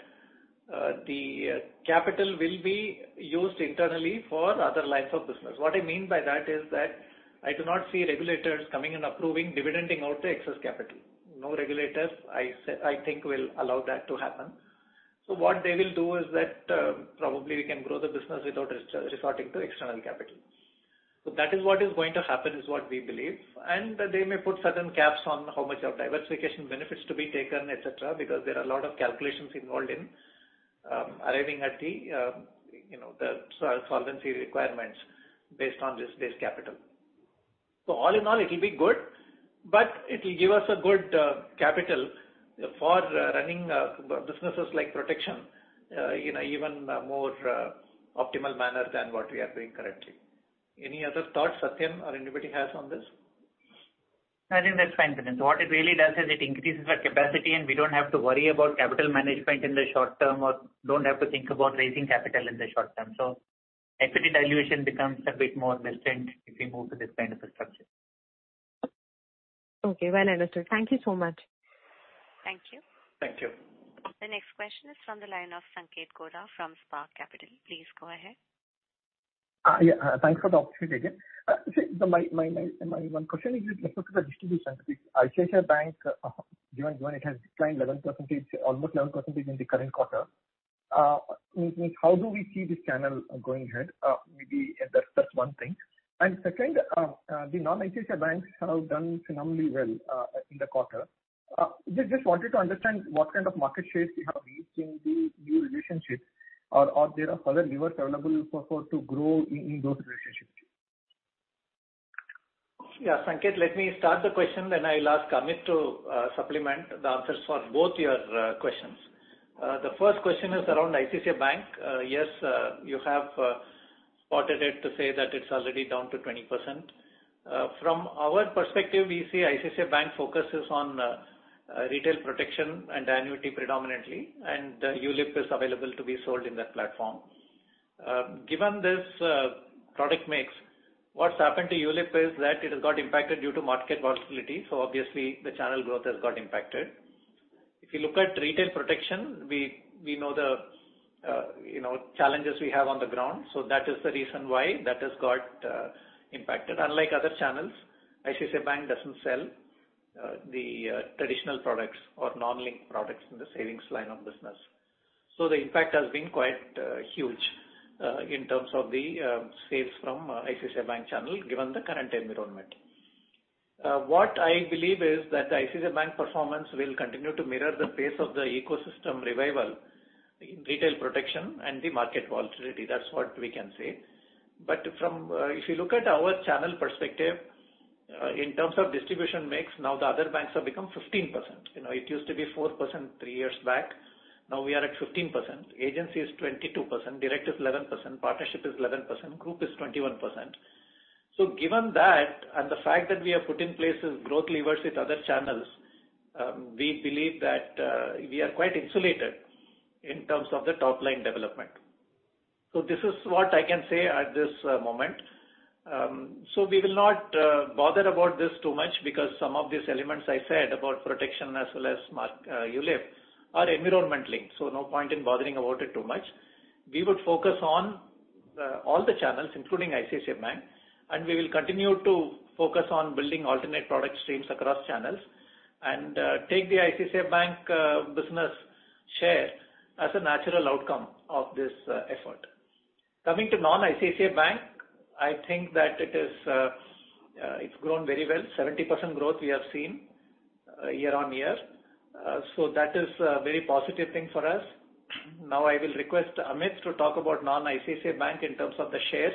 the capital will be used internally for other lines of business. What I mean by that is that I do not see regulators coming and approving dividends out of the excess capital. No regulators, I think will allow that to happen. What they will do is that probably we can grow the business without resorting to external capital. That is what is going to happen, is what we believe. They may put certain caps on how much of diversification benefits to be taken, et cetera, because there are a lot of calculations involved in arriving at, you know, the solvency requirements based on this base capital. So all in all it'll be good, but it'll give us a good capital for running businesses like protection in an even more optimal manner than what we are doing currently. Any other thoughts, Satyan, or anybody has on this? I think that's fine, N.S. Kannan. What it really does is it increases our capacity, and we don't have to worry about capital management in the short term or don't have to think about raising capital in the short term. Equity dilution becomes a bit more distant if we move to this kind of a structure. Okay, well understood. Thank you so much. Thank you. Thank you. The next question is from the line of Sanket Godha from Spark Capital. Please go ahead. Thanks for the opportunity again. So my one question is with respect to the distribution with ICICI Bank, given it has declined 11%, almost 11% in the current quarter, how do we see this channel going ahead? Maybe that's one thing. Second, the non-ICICI banks have done phenomenally well in the quarter. Just wanted to understand what kind of market shares you have reached in these new relationships. Or there are further levers available for to grow in those relationships? Yeah, Sanket, let me start the question then I'll ask Amit to supplement the answers for both your questions. The first question is around ICICI Bank. Yes, you have spotted it to say that it's already down to 20%. From our perspective, we see ICICI Bank focuses on retail protection and annuity predominantly, and ULIP is available to be sold in that platform. Given this product mix, what's happened to ULIP is that it has got impacted due to market volatility, so obviously the channel growth has got impacted. If you look at retail protection, we know the you know challenges we have on the ground, so that is the reason why that has got impacted. Unlike other channels, ICICI Bank doesn't sell the traditional products or non-linked products in the savings line of business. The impact has been quite huge in terms of the sales from ICICI Bank channel, given the current environment. What I believe is that the ICICI Bank performance will continue to mirror the pace of the ecosystem revival in retail protection and the market volatility. That's what we can say. If you look at our channel perspective, in terms of distribution mix, now the other banks have become 15%. You know, it used to be 4% three years back. Now we are at 15%. Agency is 22%. Direct is 11%. Partnership is 11%. Group is 21%. Given that, and the fact that we have put in place our growth levers with other channels, we believe that we are quite insulated in terms of the top-line development. This is what I can say at this moment. We will not bother about this too much because some of these elements I said about protection as well as market ULIP are market-linked, no point in bothering about it too much. We would focus on all the channels, including ICICI Bank, and we will continue to focus on building alternate product streams across channels and take the ICICI Bank business share as a natural outcome of this effort. Coming to non-ICICI Bank, I think that it's grown very well. 70% growth we have seen year-on-year. That is a very positive thing for us. Now I will request Amit to talk about non-ICICI Bank in terms of the shares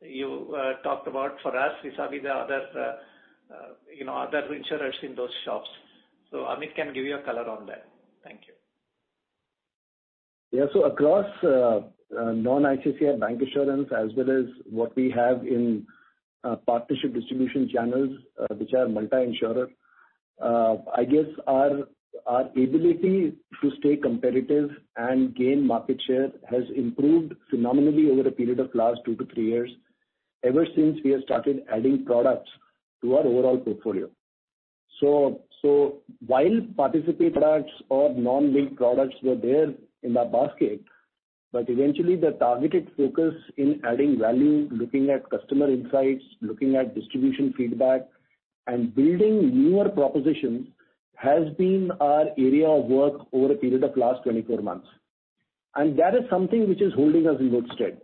you talked about for us vis-à-vis the other, you know, other insurers in those shops. Amit can give you a color on that. Thank you. Yeah. Across non-ICICI Bank insurance, as well as what we have in partnership distribution channels, which are multi-insurer, I guess our ability to stay competitive and gain market share has improved phenomenally over a period of last two-three years ever since we have started adding products to our overall portfolio. While participating products or non-linked products were there in the basket, but eventually the targeted focus in adding value, looking at customer insights, looking at distribution feedback and building newer propositions has been our area of work over a period of last 24 months. That is something which is holding us in good stead.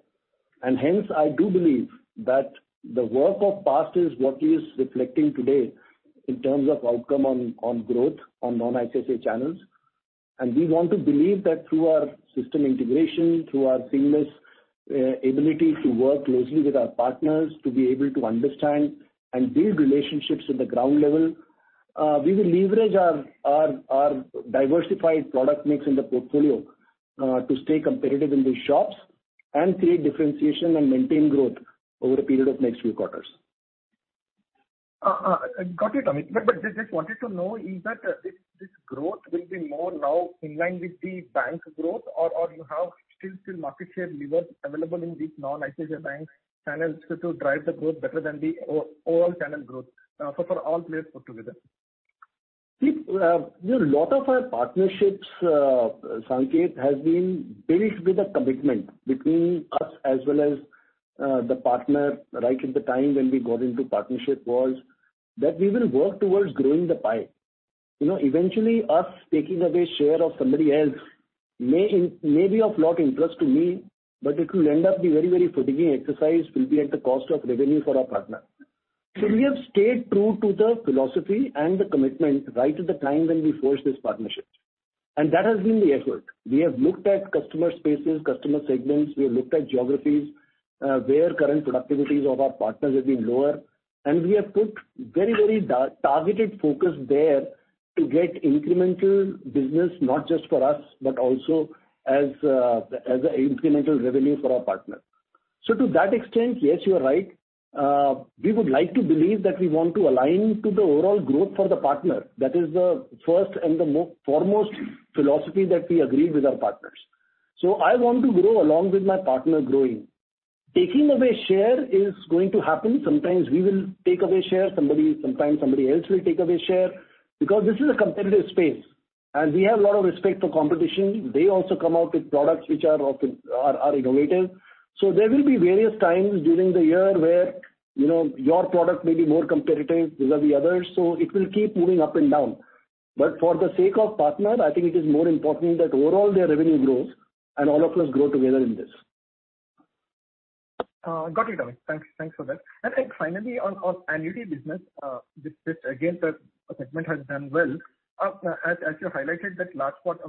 Hence I do believe that the work of past is what is reflecting today in terms of outcome on growth on non-ICICI channels. We want to believe that through our system integration, through our seamless ability to work closely with our partners, to be able to understand and build relationships at the ground level, we will leverage our diversified product mix in the portfolio to stay competitive in these shops and create differentiation and maintain growth over a period of next few quarters. Got it, Amit. Just wanted to know is that this growth will be more now in line with the bank's growth or you have still market share levers available in these non-ICICI Bank channels to drive the growth better than the overall channel growth, for all players put together? See, a lot of our partnerships, Sanket, has been built with a commitment between us as well as the partner right at the time when we got into partnership was that we will work towards growing the pie. You know, eventually us taking away share of somebody else may be of lot interest to me, but it will end up be very, very fatiguing exercise will be at the cost of revenue for our partner. So we have stayed true to the philosophy and the commitment right at the time when we forged this partnership. That has been the effort. We have looked at customer spaces, customer segments. We have looked at geographies where current productivities of our partners have been lower, and we have put very, very targeted focus there to get incremental business, not just for us, but also as an incremental revenue for our partner. To that extent, yes, you are right. We would like to believe that we want to align to the overall growth for the partner. That is the first and the foremost philosophy that we agreed with our partners. I want to grow along with my partner growing. Taking away share is going to happen. Sometimes we will take away share. Sometimes somebody else will take away share because this is a competitive space and we have a lot of respect for competition. They also come out with products which are innovative. There will be various times during the year where, you know, your product may be more competitive vis-à-vis others, so it will keep moving up and down. For the sake of partner, I think it is more important that overall their revenue grows and all of us grow together in this. Got it, Amit. Thanks. Thanks for that. Finally on annuity business, this again the segment has done well. As you highlighted that last quarter, 40%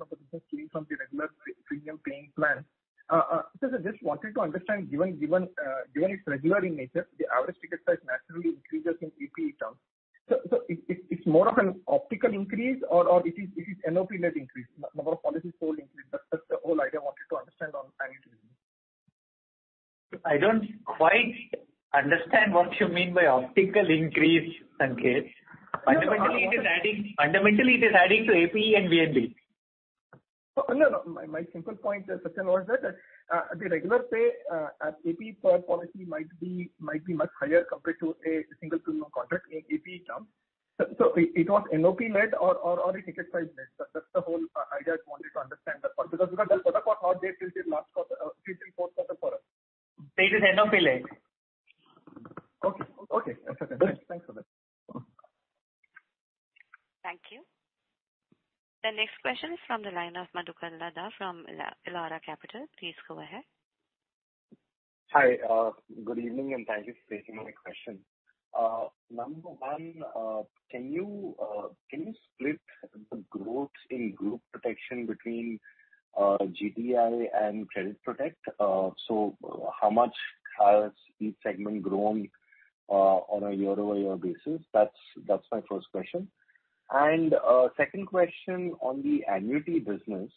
of the business coming from the regular premium paying plan. So I just wanted to understand, given it's regular in nature, the average ticket size naturally increases in APE terms. It's more of an optical increase or it is NOP-led increase, number of policies sold increase. That's the whole idea I wanted to understand on annuity. I don't quite understand what you mean by optical increase, Sanket. No, no. Fundamentally it is adding to APE and VNB. No. My simple point, Satyan, was that the regular pay at APE per policy might be much higher compared to a single premium contract in APE terms. It was NOP-led or a ticket size-led? That's the whole idea I wanted to understand that part because without that product was not there till last quarter, till fourth quarter for us. It is NOP-led. Okay. That's okay. Good. Thanks for that. Thank you. The next question is from the line of Madhukar Ladha from Elara Capital. Please go ahead. Hi, good evening and thank you for taking my question. Number one, can you split the growth in group protection between GTL and Credit Life? So how much has each segment grown on a year-over-year basis? That's my first question. Second question on the annuity business.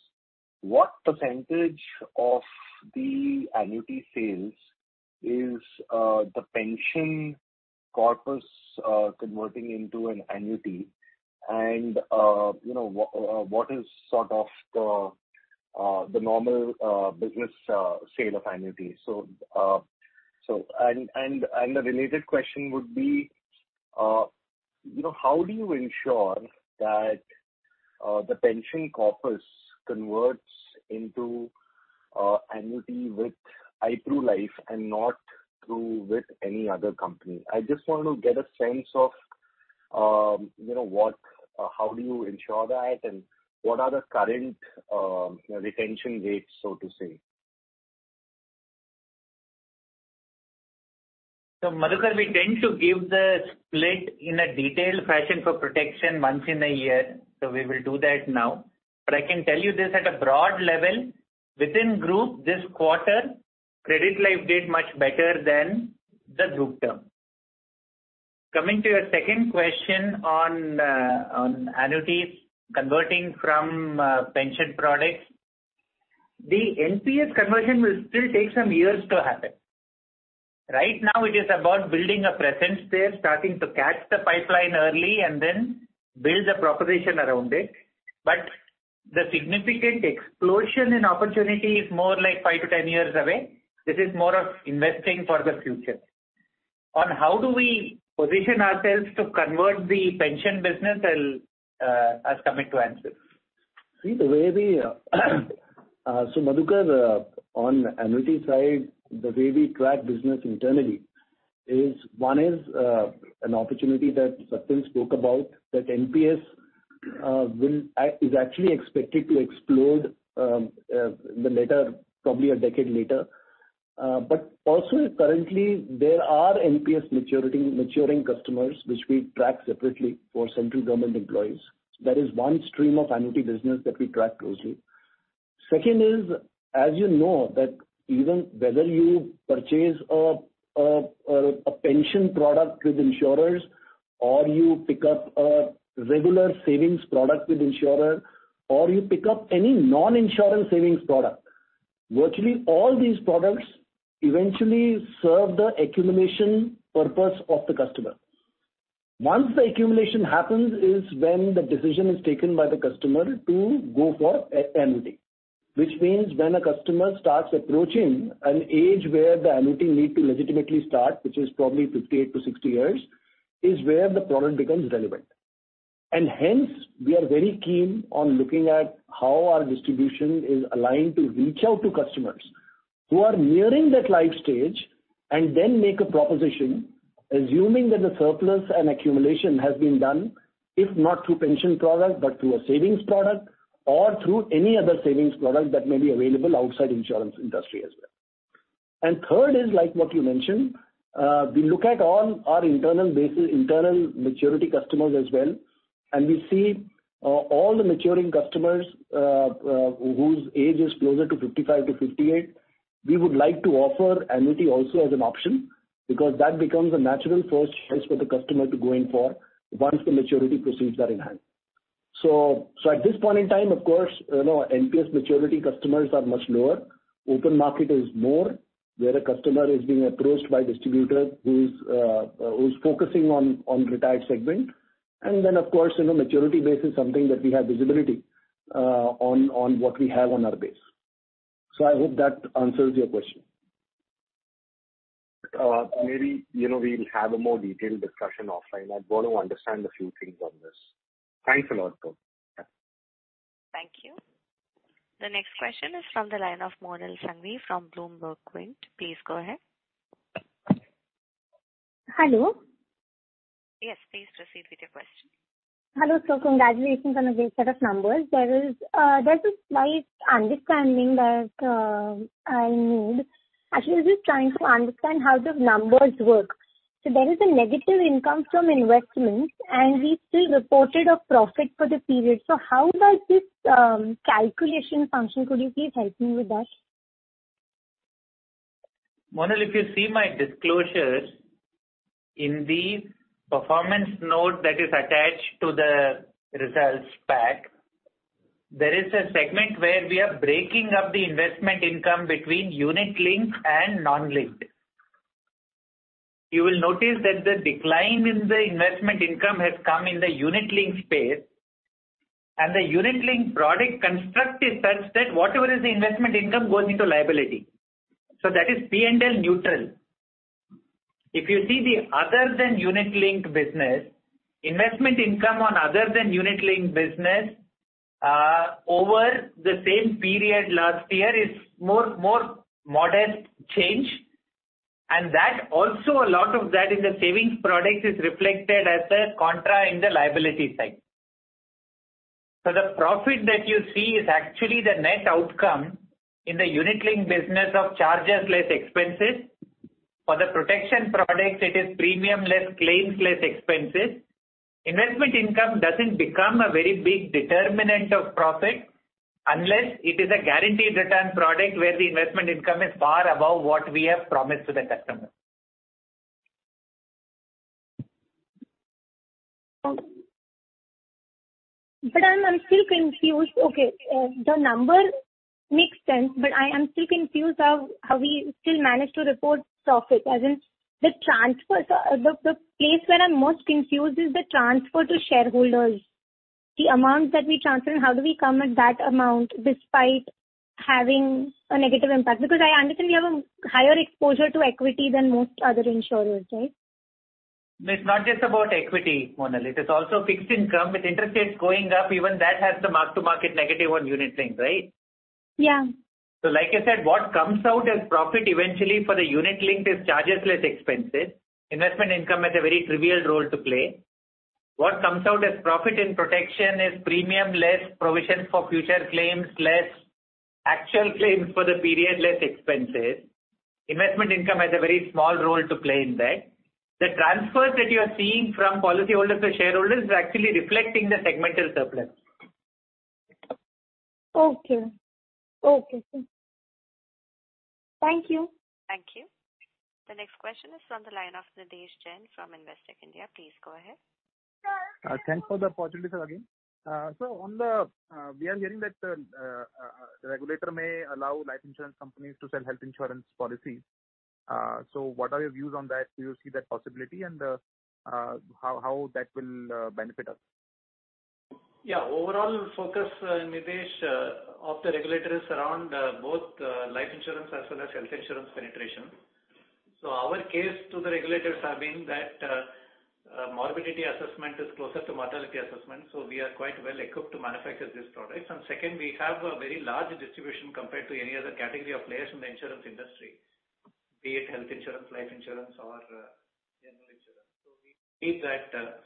What percentage of the annuity sales is the pension corpus converting into an annuity? You know, what is sort of the normal business sale of annuity? So and a related question would be, you know, how do you ensure that the pension corpus converts into annuity with ICICI Prudential Life Insurance and not through with any other company? I just want to get a sense of, you know, how do you ensure that, and what are the current retention rates, so to say? Madhukar, we tend to give the split in a detailed fashion for protection once a year, so we will do that now. I can tell you this at a broad level, within group this quarter, Credit Life did much better than the group term. Coming to your second question on annuities converting from pension products. The NPS conversion will still take some years to happen. Right now it is about building a presence there, starting to catch the pipeline early and then build a proposition around it. The significant explosion in opportunity is more like 5-10 years away. This is more of investing for the future. On how do we position ourselves to convert the pension business, I'll ask Amit to answer. See, the way we track business internally on annuity side is one, an opportunity that Satyan Jambunathan spoke about, that NPS is actually expected to explode thereafter, probably a decade later. Also currently there are NPS maturing customers which we track separately for central government employees. That is one stream of annuity business that we track closely. Second is, as you know, that even whether you purchase a pension product with insurers, or you pick up a regular savings product with insurer, or you pick up any non-insurance savings product, virtually all these products eventually serve the accumulation purpose of the customer. Once the accumulation happens is when the decision is taken by the customer to go for an annuity, which means when a customer starts approaching an age where the annuity need to legitimately start, which is probably 58-60 years, is where the product becomes relevant. Hence we are very keen on looking at how our distribution is aligned to reach out to customers who are nearing that life stage and then make a proposition, assuming that the surplus and accumulation has been done, if not through pension product, but through a savings product or through any other savings product that may be available outside insurance industry as well. Third is like what you mentioned, we look at all our internal based, internal maturity customers as well, and we see all the maturing customers whose age is closer to 55-58. We would like to offer annuity also as an option because that becomes a natural first choice for the customer to go in for once the maturity proceeds are in hand. At this point in time, of course, you know, NPS maturity customers are much lower. Open market is more, where a customer is being approached by distributor who's focusing on retired segment. Of course, you know, maturity base is something that we have visibility on what we have on our base. I hope that answers your question. Maybe, you know, we'll have a more detailed discussion offline. I've got to understand a few things on this. Thanks a lot, though. Thank you. The next question is from the line of Monal Sanghvi from BQ Prime. Please go ahead. Hello. Yes, please proceed with your question. Hello, sir. Congratulations on a great set of numbers. There is, there's a slight understanding that I need. Actually, I'm just trying to understand how the numbers work. There is a negative income from investments, and we still reported a profit for the period. How does this calculation function? Could you please help me with that? Monal, if you see my disclosures in the performance note that is attached to the results pack, there is a segment where we are breaking up the investment income between unit linked and non-linked. You will notice that the decline in the investment income has come in the unit linked space, and the unit linked product construct is such that whatever is the investment income goes into liability. So that is P&L neutral. If you see the other than unit linked business, investment income on other than unit linked business, over the same period last year is more modest change, and that also a lot of that in the savings product is reflected as a contra in the liability side. So the profit that you see is actually the net outcome in the unit linked business of charges less expenses. For the protection product, it is premium less claims less expenses. Investment income doesn't become a very big determinant of profit unless it is a guaranteed return product where the investment income is far above what we have promised to the customer. I'm still confused. The number makes sense. I am still confused how we still manage to report profit. The place where I'm most confused is the transfer to shareholders. The amount that we transfer and how do we come at that amount despite having a negative impact? Because I understand we have a higher exposure to equity than most other insurers, right? It's not just about equity, Monal. It is also fixed income. With interest rates going up, even that has the mark-to-market negative on unit linked, right? Yeah. Like I said, what comes out as profit eventually for the unit linked is charges less expenses. Investment income has a very trivial role to play. What comes out as profit in protection is premium less provisions for future claims, less actual claims for the period, less expenses. Investment income has a very small role to play in that. The transfers that you are seeing from policyholders to shareholders is actually reflecting the segmental surplus. Okay. Okay. Thank you. Thank you. The next question is from the line of Nirdesh Jain from Investec India. Please go ahead. Thanks for the opportunity, sir, again. We are hearing that the regulator may allow life insurance companies to sell health insurance policies. What are your views on that? Do you see that possibility? How that will benefit us? Yeah. Overall focus, Nirdesh, of the regulator is around both life insurance as well as health insurance penetration. Our case to the regulators have been that morbidity assessment is closer to mortality assessment, so we are quite well equipped to manufacture these products. Second, we have a very large distribution compared to any other category of players in the insurance industry, be it health insurance, life insurance, or general insurance.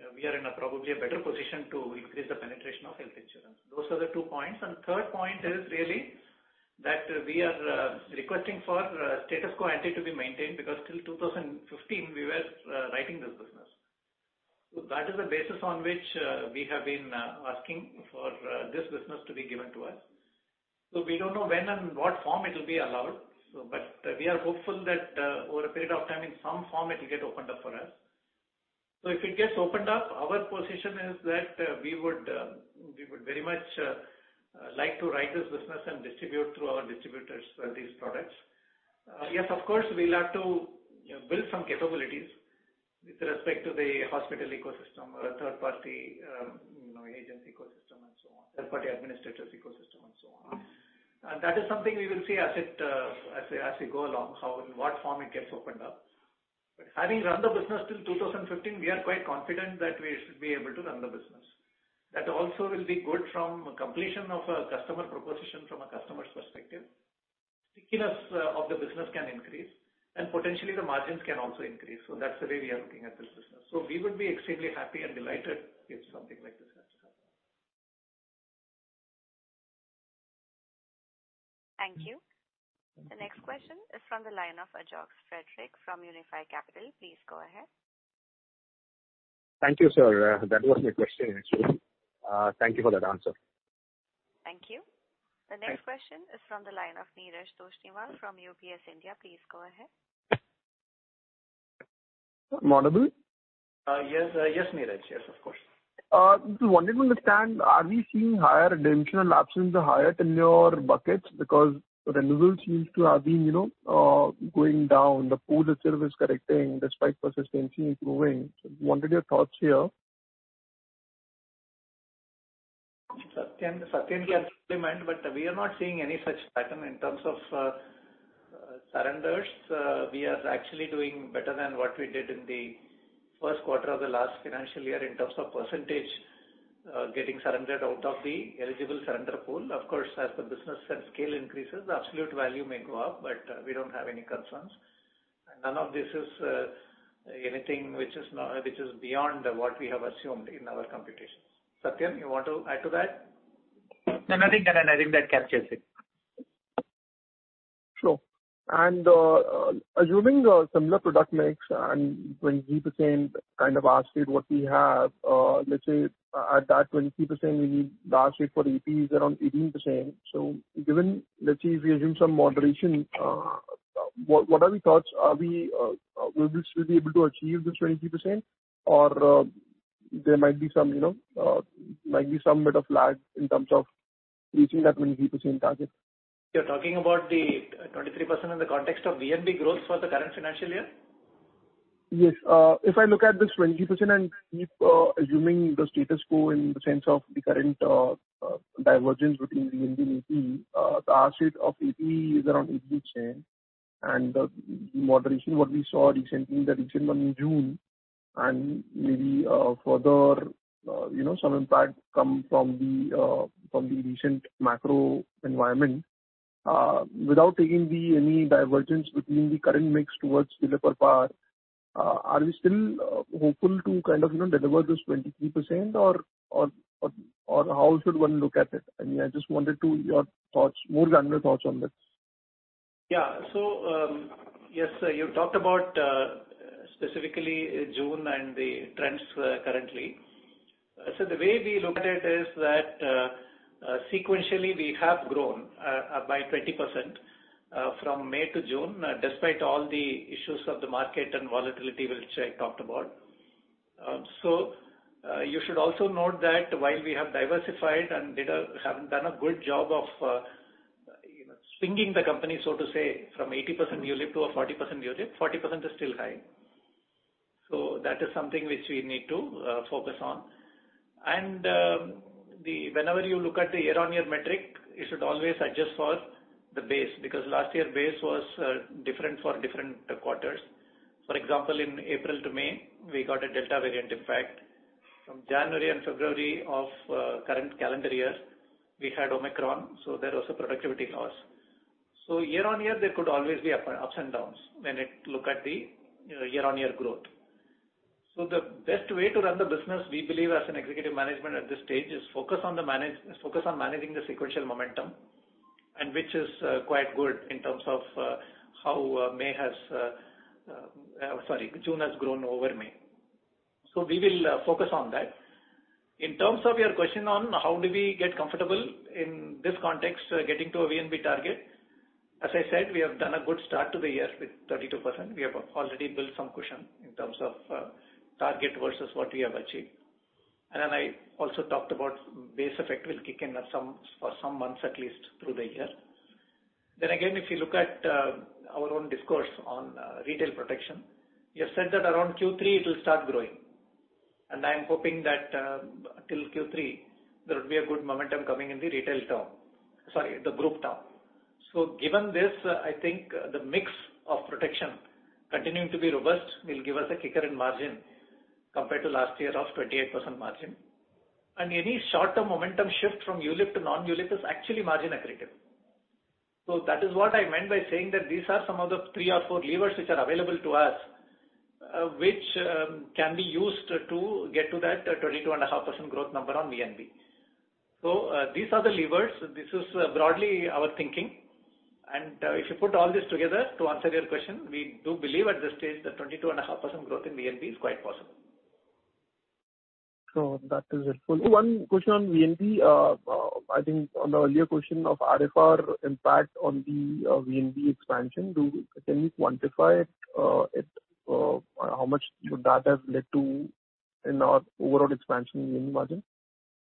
We believe that we are in probably a better position to increase the penetration of health insurance. Those are the two points. Third point is really that we are requesting for status quo ante to be maintained because till 2015 we were writing this business. That is the basis on which we have been asking for this business to be given to us. We don't know when and what form it will be allowed, but we are hopeful that over a period of time, in some form it will get opened up for us. If it gets opened up, our position is that we would very much like to write this business and distribute through our distributors these products. Yes, of course, we'll have to you know build some capabilities with respect to the hospital ecosystem or a third party you know agent ecosystem and so on. Third party administrators ecosystem and so on. That is something we will see as we go along, how in what form it gets opened up. Having run the business till 2015, we are quite confident that we should be able to run the business. That also will be good from completion of a customer proposition from a customer's perspective. Stickiness of the business can increase and potentially the margins can also increase. That's the way we are looking at this business. We would be extremely happy and delighted if something like this has to happen. Thank you. The next question is from the line of Ajox Frederick from Unifi Capital. Please go ahead. Thank you, sir. That was my question actually. Thank you for that answer. Thank you. Thank you. The next question is from the line of Neeraj Toshniwal from UBS India. Please go ahead. Am I audible? Yes, Neeraj. Yes, of course. Just wanted to understand, are we seeing higher redemption lapses in your buckets because renewals seems to have been, you know, going down. The pool itself is correcting despite persistency improving. Wanted your thoughts here. Satya can comment, but we are not seeing any such pattern in terms of surrenders. We are actually doing better than what we did in the first quarter of the last financial year in terms of percentage getting surrendered out of the eligible surrender pool. Of course, as the business and scale increases, the absolute value may go up, but we don't have any concerns. None of this is anything which is beyond what we have assumed in our computations. Satya, you want to add to that? No, nothing. That captures it. Sure. Assuming similar product mix and 23% kind of ask rate what we have, let's say at that 23% maybe the ask rate for APE is around 18%. Given, let's say if we assume some moderation, what are the thoughts? Will we still be able to achieve this 23% or there might be some, you know, might be some bit of lag in terms of reaching that 23% target. You're talking about the 23% in the context of VNB growth for the current financial year? Yes. If I look at this 23% and keep assuming the status quo in the sense of the current divergence between VNB and AP, the ask rate of AP is around 18%. The moderation what we saw recently in the recent one in June and maybe further, you know, some impact coming from the recent macro environment, without taking any divergence between the current mix towards ULIP or Par, are we still hopeful to kind of, you know, deliver this 23% or how should one look at it? I mean, I just wanted your thoughts, more granular thoughts on this. Yeah. Yes, you talked about specifically June and the trends currently. The way we look at it is that sequentially, we have grown by 20% from May to June despite all the issues of the market and volatility which I talked about. You should also note that while we have diversified and have done a good job of you know, swinging the company, so to say, from 80% ULIP to a 40% ULIP, 40% is still high. That is something which we need to focus on. Whenever you look at the year-on-year metric, you should always adjust for the base because last year base was different for different quarters. For example, in April to May, we got a Delta variant impact. From January and February of current calendar year, we had Omicron, so there was a productivity loss. Year on year, there could always be ups and downs when you look at the, you know, year on year growth. The best way to run the business, we believe as an executive management at this stage, is focus on managing the sequential momentum, which is quite good in terms of how June has grown over May. We will focus on that. In terms of your question on how do we get comfortable in this context getting to a VNB target, as I said, we have done a good start to the year with 32%. We have already built some cushion in terms of target versus what we have achieved. I also talked about base effect will kick in at some, for some months, at least through the year. Again, if you look at our own discourse on retail protection, we have said that around Q3 it will start growing. I am hoping that till Q3 there would be a good momentum coming in the group term. Given this, I think the mix of protection continuing to be robust will give us a kicker in margin compared to last year of 28% margin. Any short-term momentum shift from ULIP to non-ULIP is actually margin accretive. That is what I meant by saying that these are some of the three or four levers which are available to us, which can be used to get to that 22.5% growth number on VNB. These are the levers. This is broadly our thinking. If you put all this together to answer your question, we do believe at this stage that 22.5% growth in VNB is quite possible. That is helpful. One question on VNB. I think on the earlier question of RFR impact on the VNB expansion, can you quantify it, how much should that have led to in our overall expansion in margin?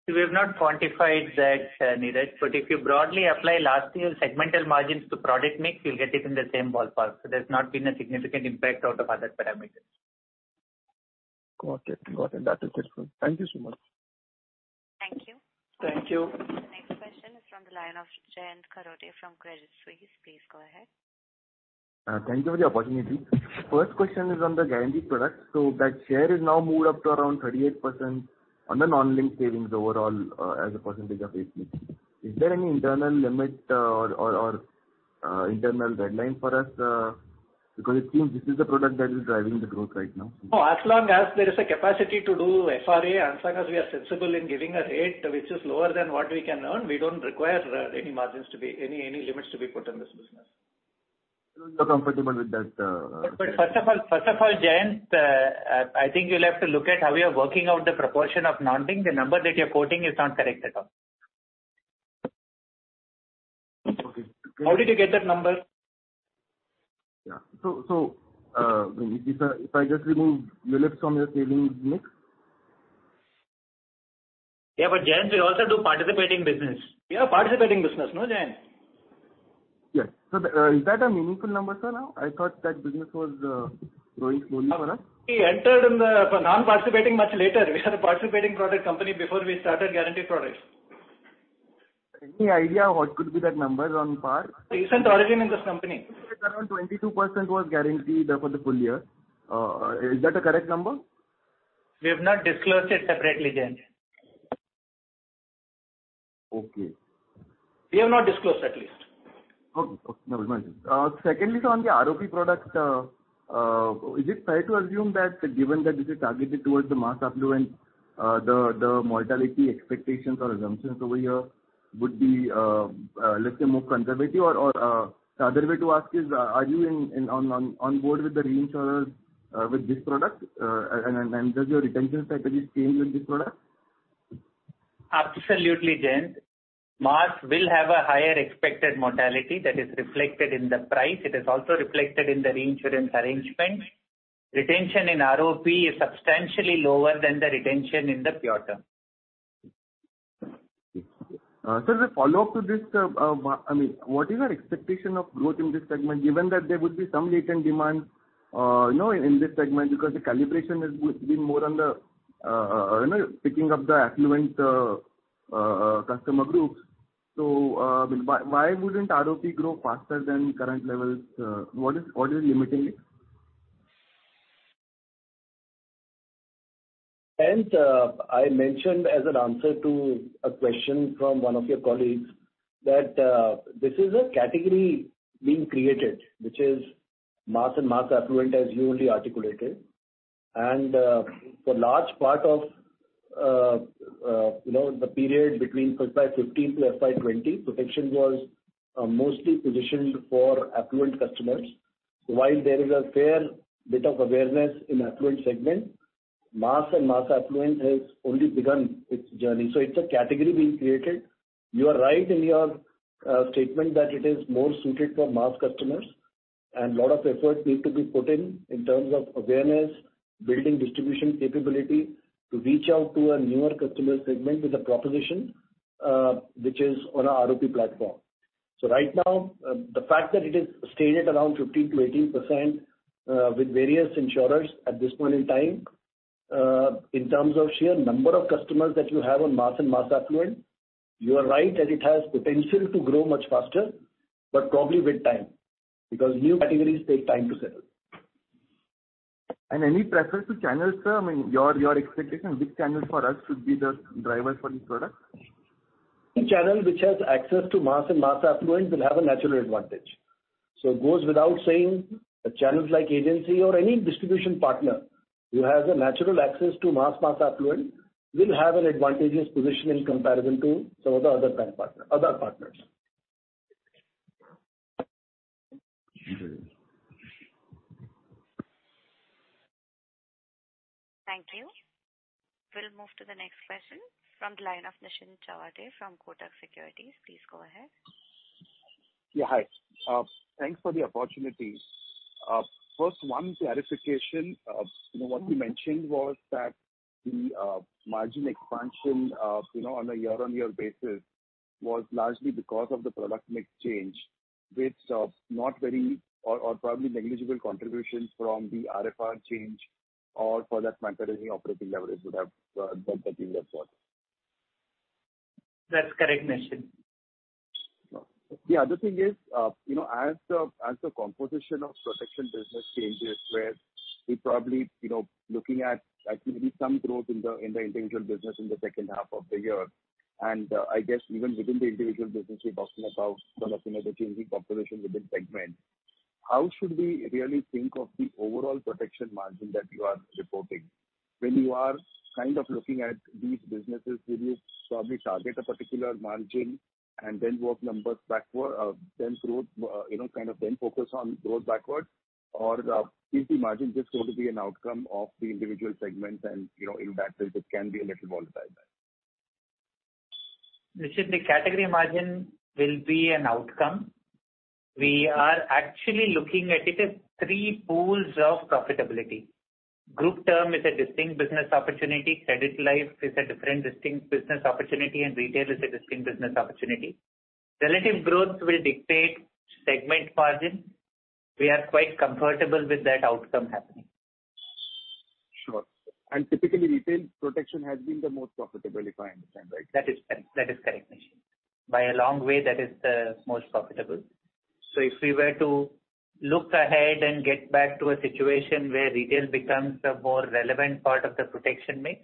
We have not quantified that, Neeraj, but if you broadly apply last year's segmental margins to product mix, you'll get it in the same ballpark. There's not been a significant impact out of other parameters. Got it. That is helpful. Thank you so much. Thank you. Next question is from the line of Jayant Kharote from Credit Suisse. Please go ahead. Thank you for the opportunity. First question is on the guarantee product. That share has now moved up to around 38% on the non-linked savings overall, as a percentage of AP. Is there any internal limit, or internal deadline for us, because it seems this is the product that is driving the growth right now. No. As long as there is a capacity to do FRA and as long as we are sensible in giving a rate which is lower than what we can earn, we don't require any limits to be put in this business. You're comfortable with that. First of all, Jayant, I think you'll have to look at how we are working out the proportion of non-linked. The number that you're quoting is not correct at all. Okay. How did you get that number? If I just remove ULIPs from your savings mix. Yeah. Jayant, we also do participating business. We have a participating business, no, Jayant? Yes. Is that a meaningful number, sir, now? I thought that business was growing slowly for us. We entered in the non-participating much later. We had a participating product company before we started guaranteed products. Any idea what could be that number on par? It isn't originally in this company. Around 22% was guaranteed there for the full year. Is that a correct number? We have not disclosed it separately, Jayant. Okay. We have not disclosed at least. Okay. Okay. No worries. Secondly, so on the ROP product, is it fair to assume that given that this is targeted towards the mass affluent, the mortality expectations or assumptions over here would be, let's say more conservative? The other way to ask is, are you on board with the reinsurers with this product? And does your retention strategy change with this product? Absolutely, Jayant. Mass will have a higher expected mortality that is reflected in the price. It is also reflected in the reinsurance arrangement. Retention in ROP is substantially lower than the retention in the pure term. Sir, as a follow-up to this, I mean, what is your expectation of growth in this segment, given that there would be some latent demand, you know, in this segment because the calibration would be more on the, you know, picking up the affluent customer groups. Why wouldn't ROP grow faster than current levels? What is limiting it? I mentioned as an answer to a question from one of your colleagues that this is a category being created, which is mass and mass affluent, as you only articulated. For large part of you know the period between FY 15 to FY 20, protection was mostly positioned for affluent customers. While there is a fair bit of awareness in affluent segment, mass and mass affluent has only begun its journey, so it's a category being created. You are right in your statement that it is more suited for mass customers and lot of effort needs to be put in terms of awareness, building distribution capability to reach out to a newer customer segment with a proposition which is on a ROP platform. Right now, the fact that it is stayed at around 15%-18%, with various insurers at this point in time, in terms of sheer number of customers that you have on mass and mass affluent, you are right that it has potential to grow much faster, but probably with time, because new categories take time to settle. Any preference to channels, sir? I mean, your expectation, which channel for us should be the driver for this product? Any channel which has access to mass and mass affluent will have a natural advantage. It goes without saying that channels like agency or any distribution partner who has a natural access to mass affluent will have an advantageous position in comparison to some of the other kind of partners. Mm-hmm. Thank you. We'll move to the next question from the line of Nischint Chawathe from Kotak Securities. Please go ahead. Yeah, hi. Thanks for the opportunity. First, one clarification. You know, what you mentioned was that the margin expansion, you know, on a year-on-year basis was largely because of the product mix change with not very or probably negligible contributions from the RFR change or for that matter, any operating leverage would have dealt with that in advance. That's correct, Nischint Chawathe. The other thing is, you know, as the composition of protection business changes, where we probably, you know, looking at actually some growth in the individual business in the second half of the year, and I guess even within the individual business, we're talking about some of, you know, the changing population within segment. How should we really think of the overall protection margin that you are reporting when you are kind of looking at these businesses? Will you probably target a particular margin and then work numbers backward, then growth, you know, kind of then focus on growth backwards? Or is the margin just going to be an outcome of the individual segments and, you know, in that case it can be a little volatile then? Nischint, the category margin will be an outcome. We are actually looking at it as three pools of profitability. Group Term is a distinct business opportunity. Credit Life is a different distinct business opportunity, and retail is a distinct business opportunity. Relative growth will dictate segment margin. We are quite comfortable with that outcome happening. Sure. Typically, retail protection has been the most profitable, if I understand right. That is correct. That is correct, Nischint. By a long way, that is the most profitable. If we were to look ahead and get back to a situation where retail becomes a more relevant part of the protection mix,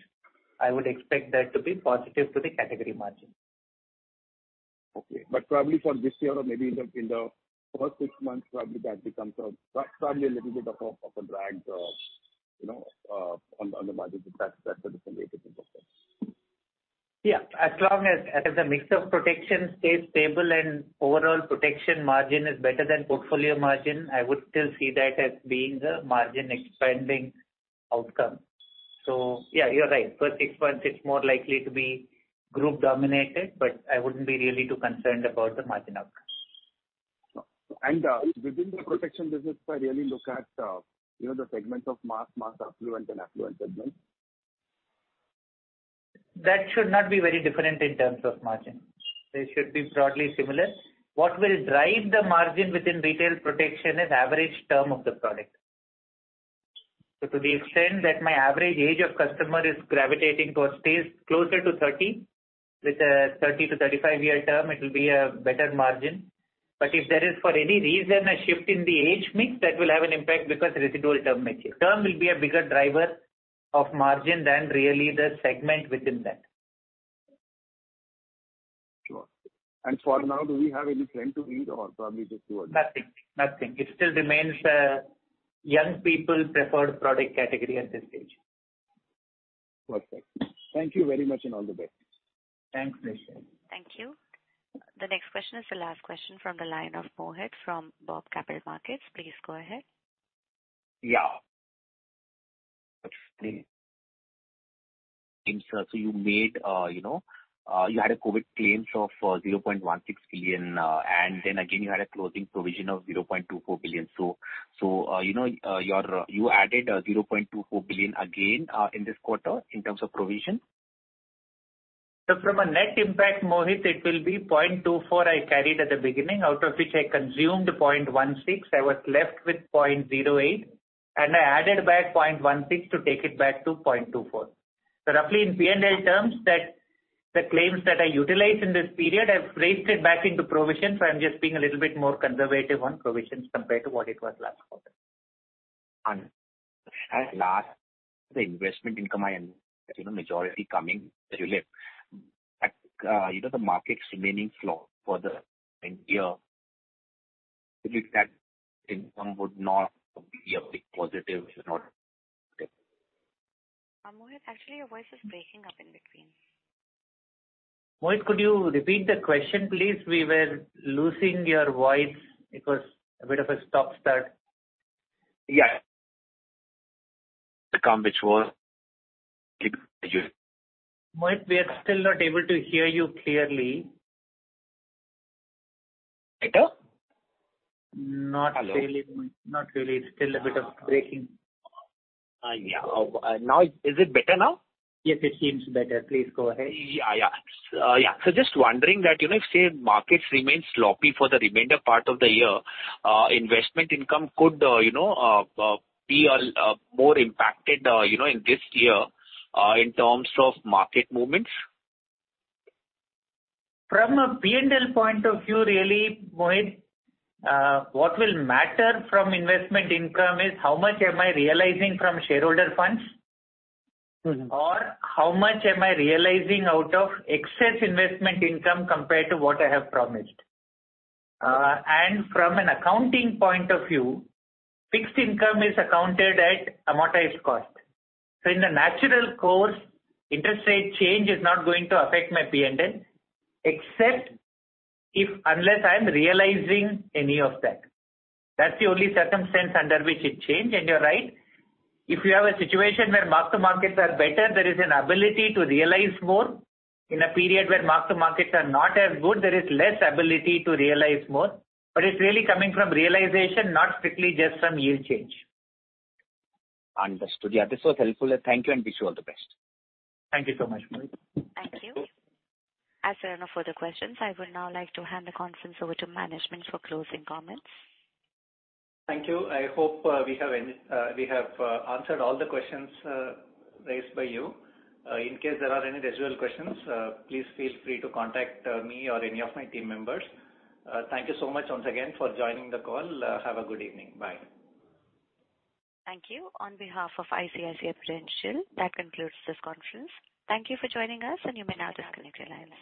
I would expect that to be positive to the category margin. Okay. Probably for this year or maybe in the first six months, probably that becomes a probably a little bit of a drag, you know, on the margin. That's a different way to think of it. Yeah. As long as the mix of protection stays stable and overall protection margin is better than portfolio margin, I would still see that as being the margin expanding outcome. Yeah, you're right. First six months it's more likely to be group dominated, but I wouldn't be really too concerned about the margin outcome. Within the protection business, if I really look at, you know, the segment of mass affluent and affluent segments. That should not be very different in terms of margin. They should be broadly similar. What will drive the margin within retail protection is average term of the product. To the extent that my average age of customer is gravitating towards stays closer to 30, with a 30-35-year term, it will be a better margin. If there is for any reason a shift in the age mix, that will have an impact because residual term may change. Term will be a bigger driver of margin than really the segment within that. Sure. For now, do we have any trend to read or probably just too early? Nothing. It still remains a young people preferred product category at this stage. Perfect. Thank you very much, and all the best. Thanks, Nischint. Thank you. The next question is the last question from the line of Mohit Kakkar from BOB Capital Markets. Please go ahead. Yeah. You made, you know, you had COVID claims of 0.16 billion, and then again you had a closing provision of 0.24 billion. You know, you added 0.24 billion again, in this quarter in terms of provision. From a net impact, Mohit, it will be 0.24 I carried at the beginning, out of which I consumed 0.16. I was left with 0.08, and I added back 0.16 to take it back to 0.24. Roughly in P&L terms that the claims that I utilized in this period, I've raised it back into provision, so I'm just being a little bit more conservative on provisions compared to what it was last quarter. Understood. Last, the investment income I understand, you know, majority coming. You know, the markets remaining slow for the end year, would that income not be a big positive or not? Mohit, actually your voice is breaking up in between. Mohit, could you repeat the question, please? We were losing your voice. It was a bit of a stop start. Yeah. The comm which was Mohit, we are still not able to hear you clearly. Better? Not really. Hello. Not really. It's still a bit of breaking. Yeah. Now is it better now? Yes, it seems better. Please go ahead. Just wondering that, you know, if say markets remain sloppy for the remainder part of the year, investment income could, you know, be more impacted, you know, in this year, in terms of market movements. From a P&L point of view really, Mohit, what will matter from investment income is how much am I realizing from shareholder funds. How much am I realizing out of excess investment income compared to what I have promised? From an accounting point of view, fixed income is accounted at amortized cost. In the natural course, interest rate change is not going to affect my P&L, except unless I'm realizing any of that. That's the only circumstance under which it change. You're right, if you have a situation where mark to markets are better, there is an ability to realize more. In a period where mark to markets are not as good, there is less ability to realize more. It's really coming from realization, not strictly just from yield change. Understood. Yeah, this was helpful. Thank you, and wish you all the best. Thank you so much, Mohit. Thank you. As there are no further questions, I would now like to hand the conference over to management for closing comments. Thank you. I hope we have answered all the questions raised by you. In case there are any residual questions, please feel free to contact me or any of my team members. Thank you so much once again for joining the call. Have a good evening. Bye. Thank you. On behalf of ICICI Prudential, that concludes this conference. Thank you for joining us, and you may now disconnect your lines.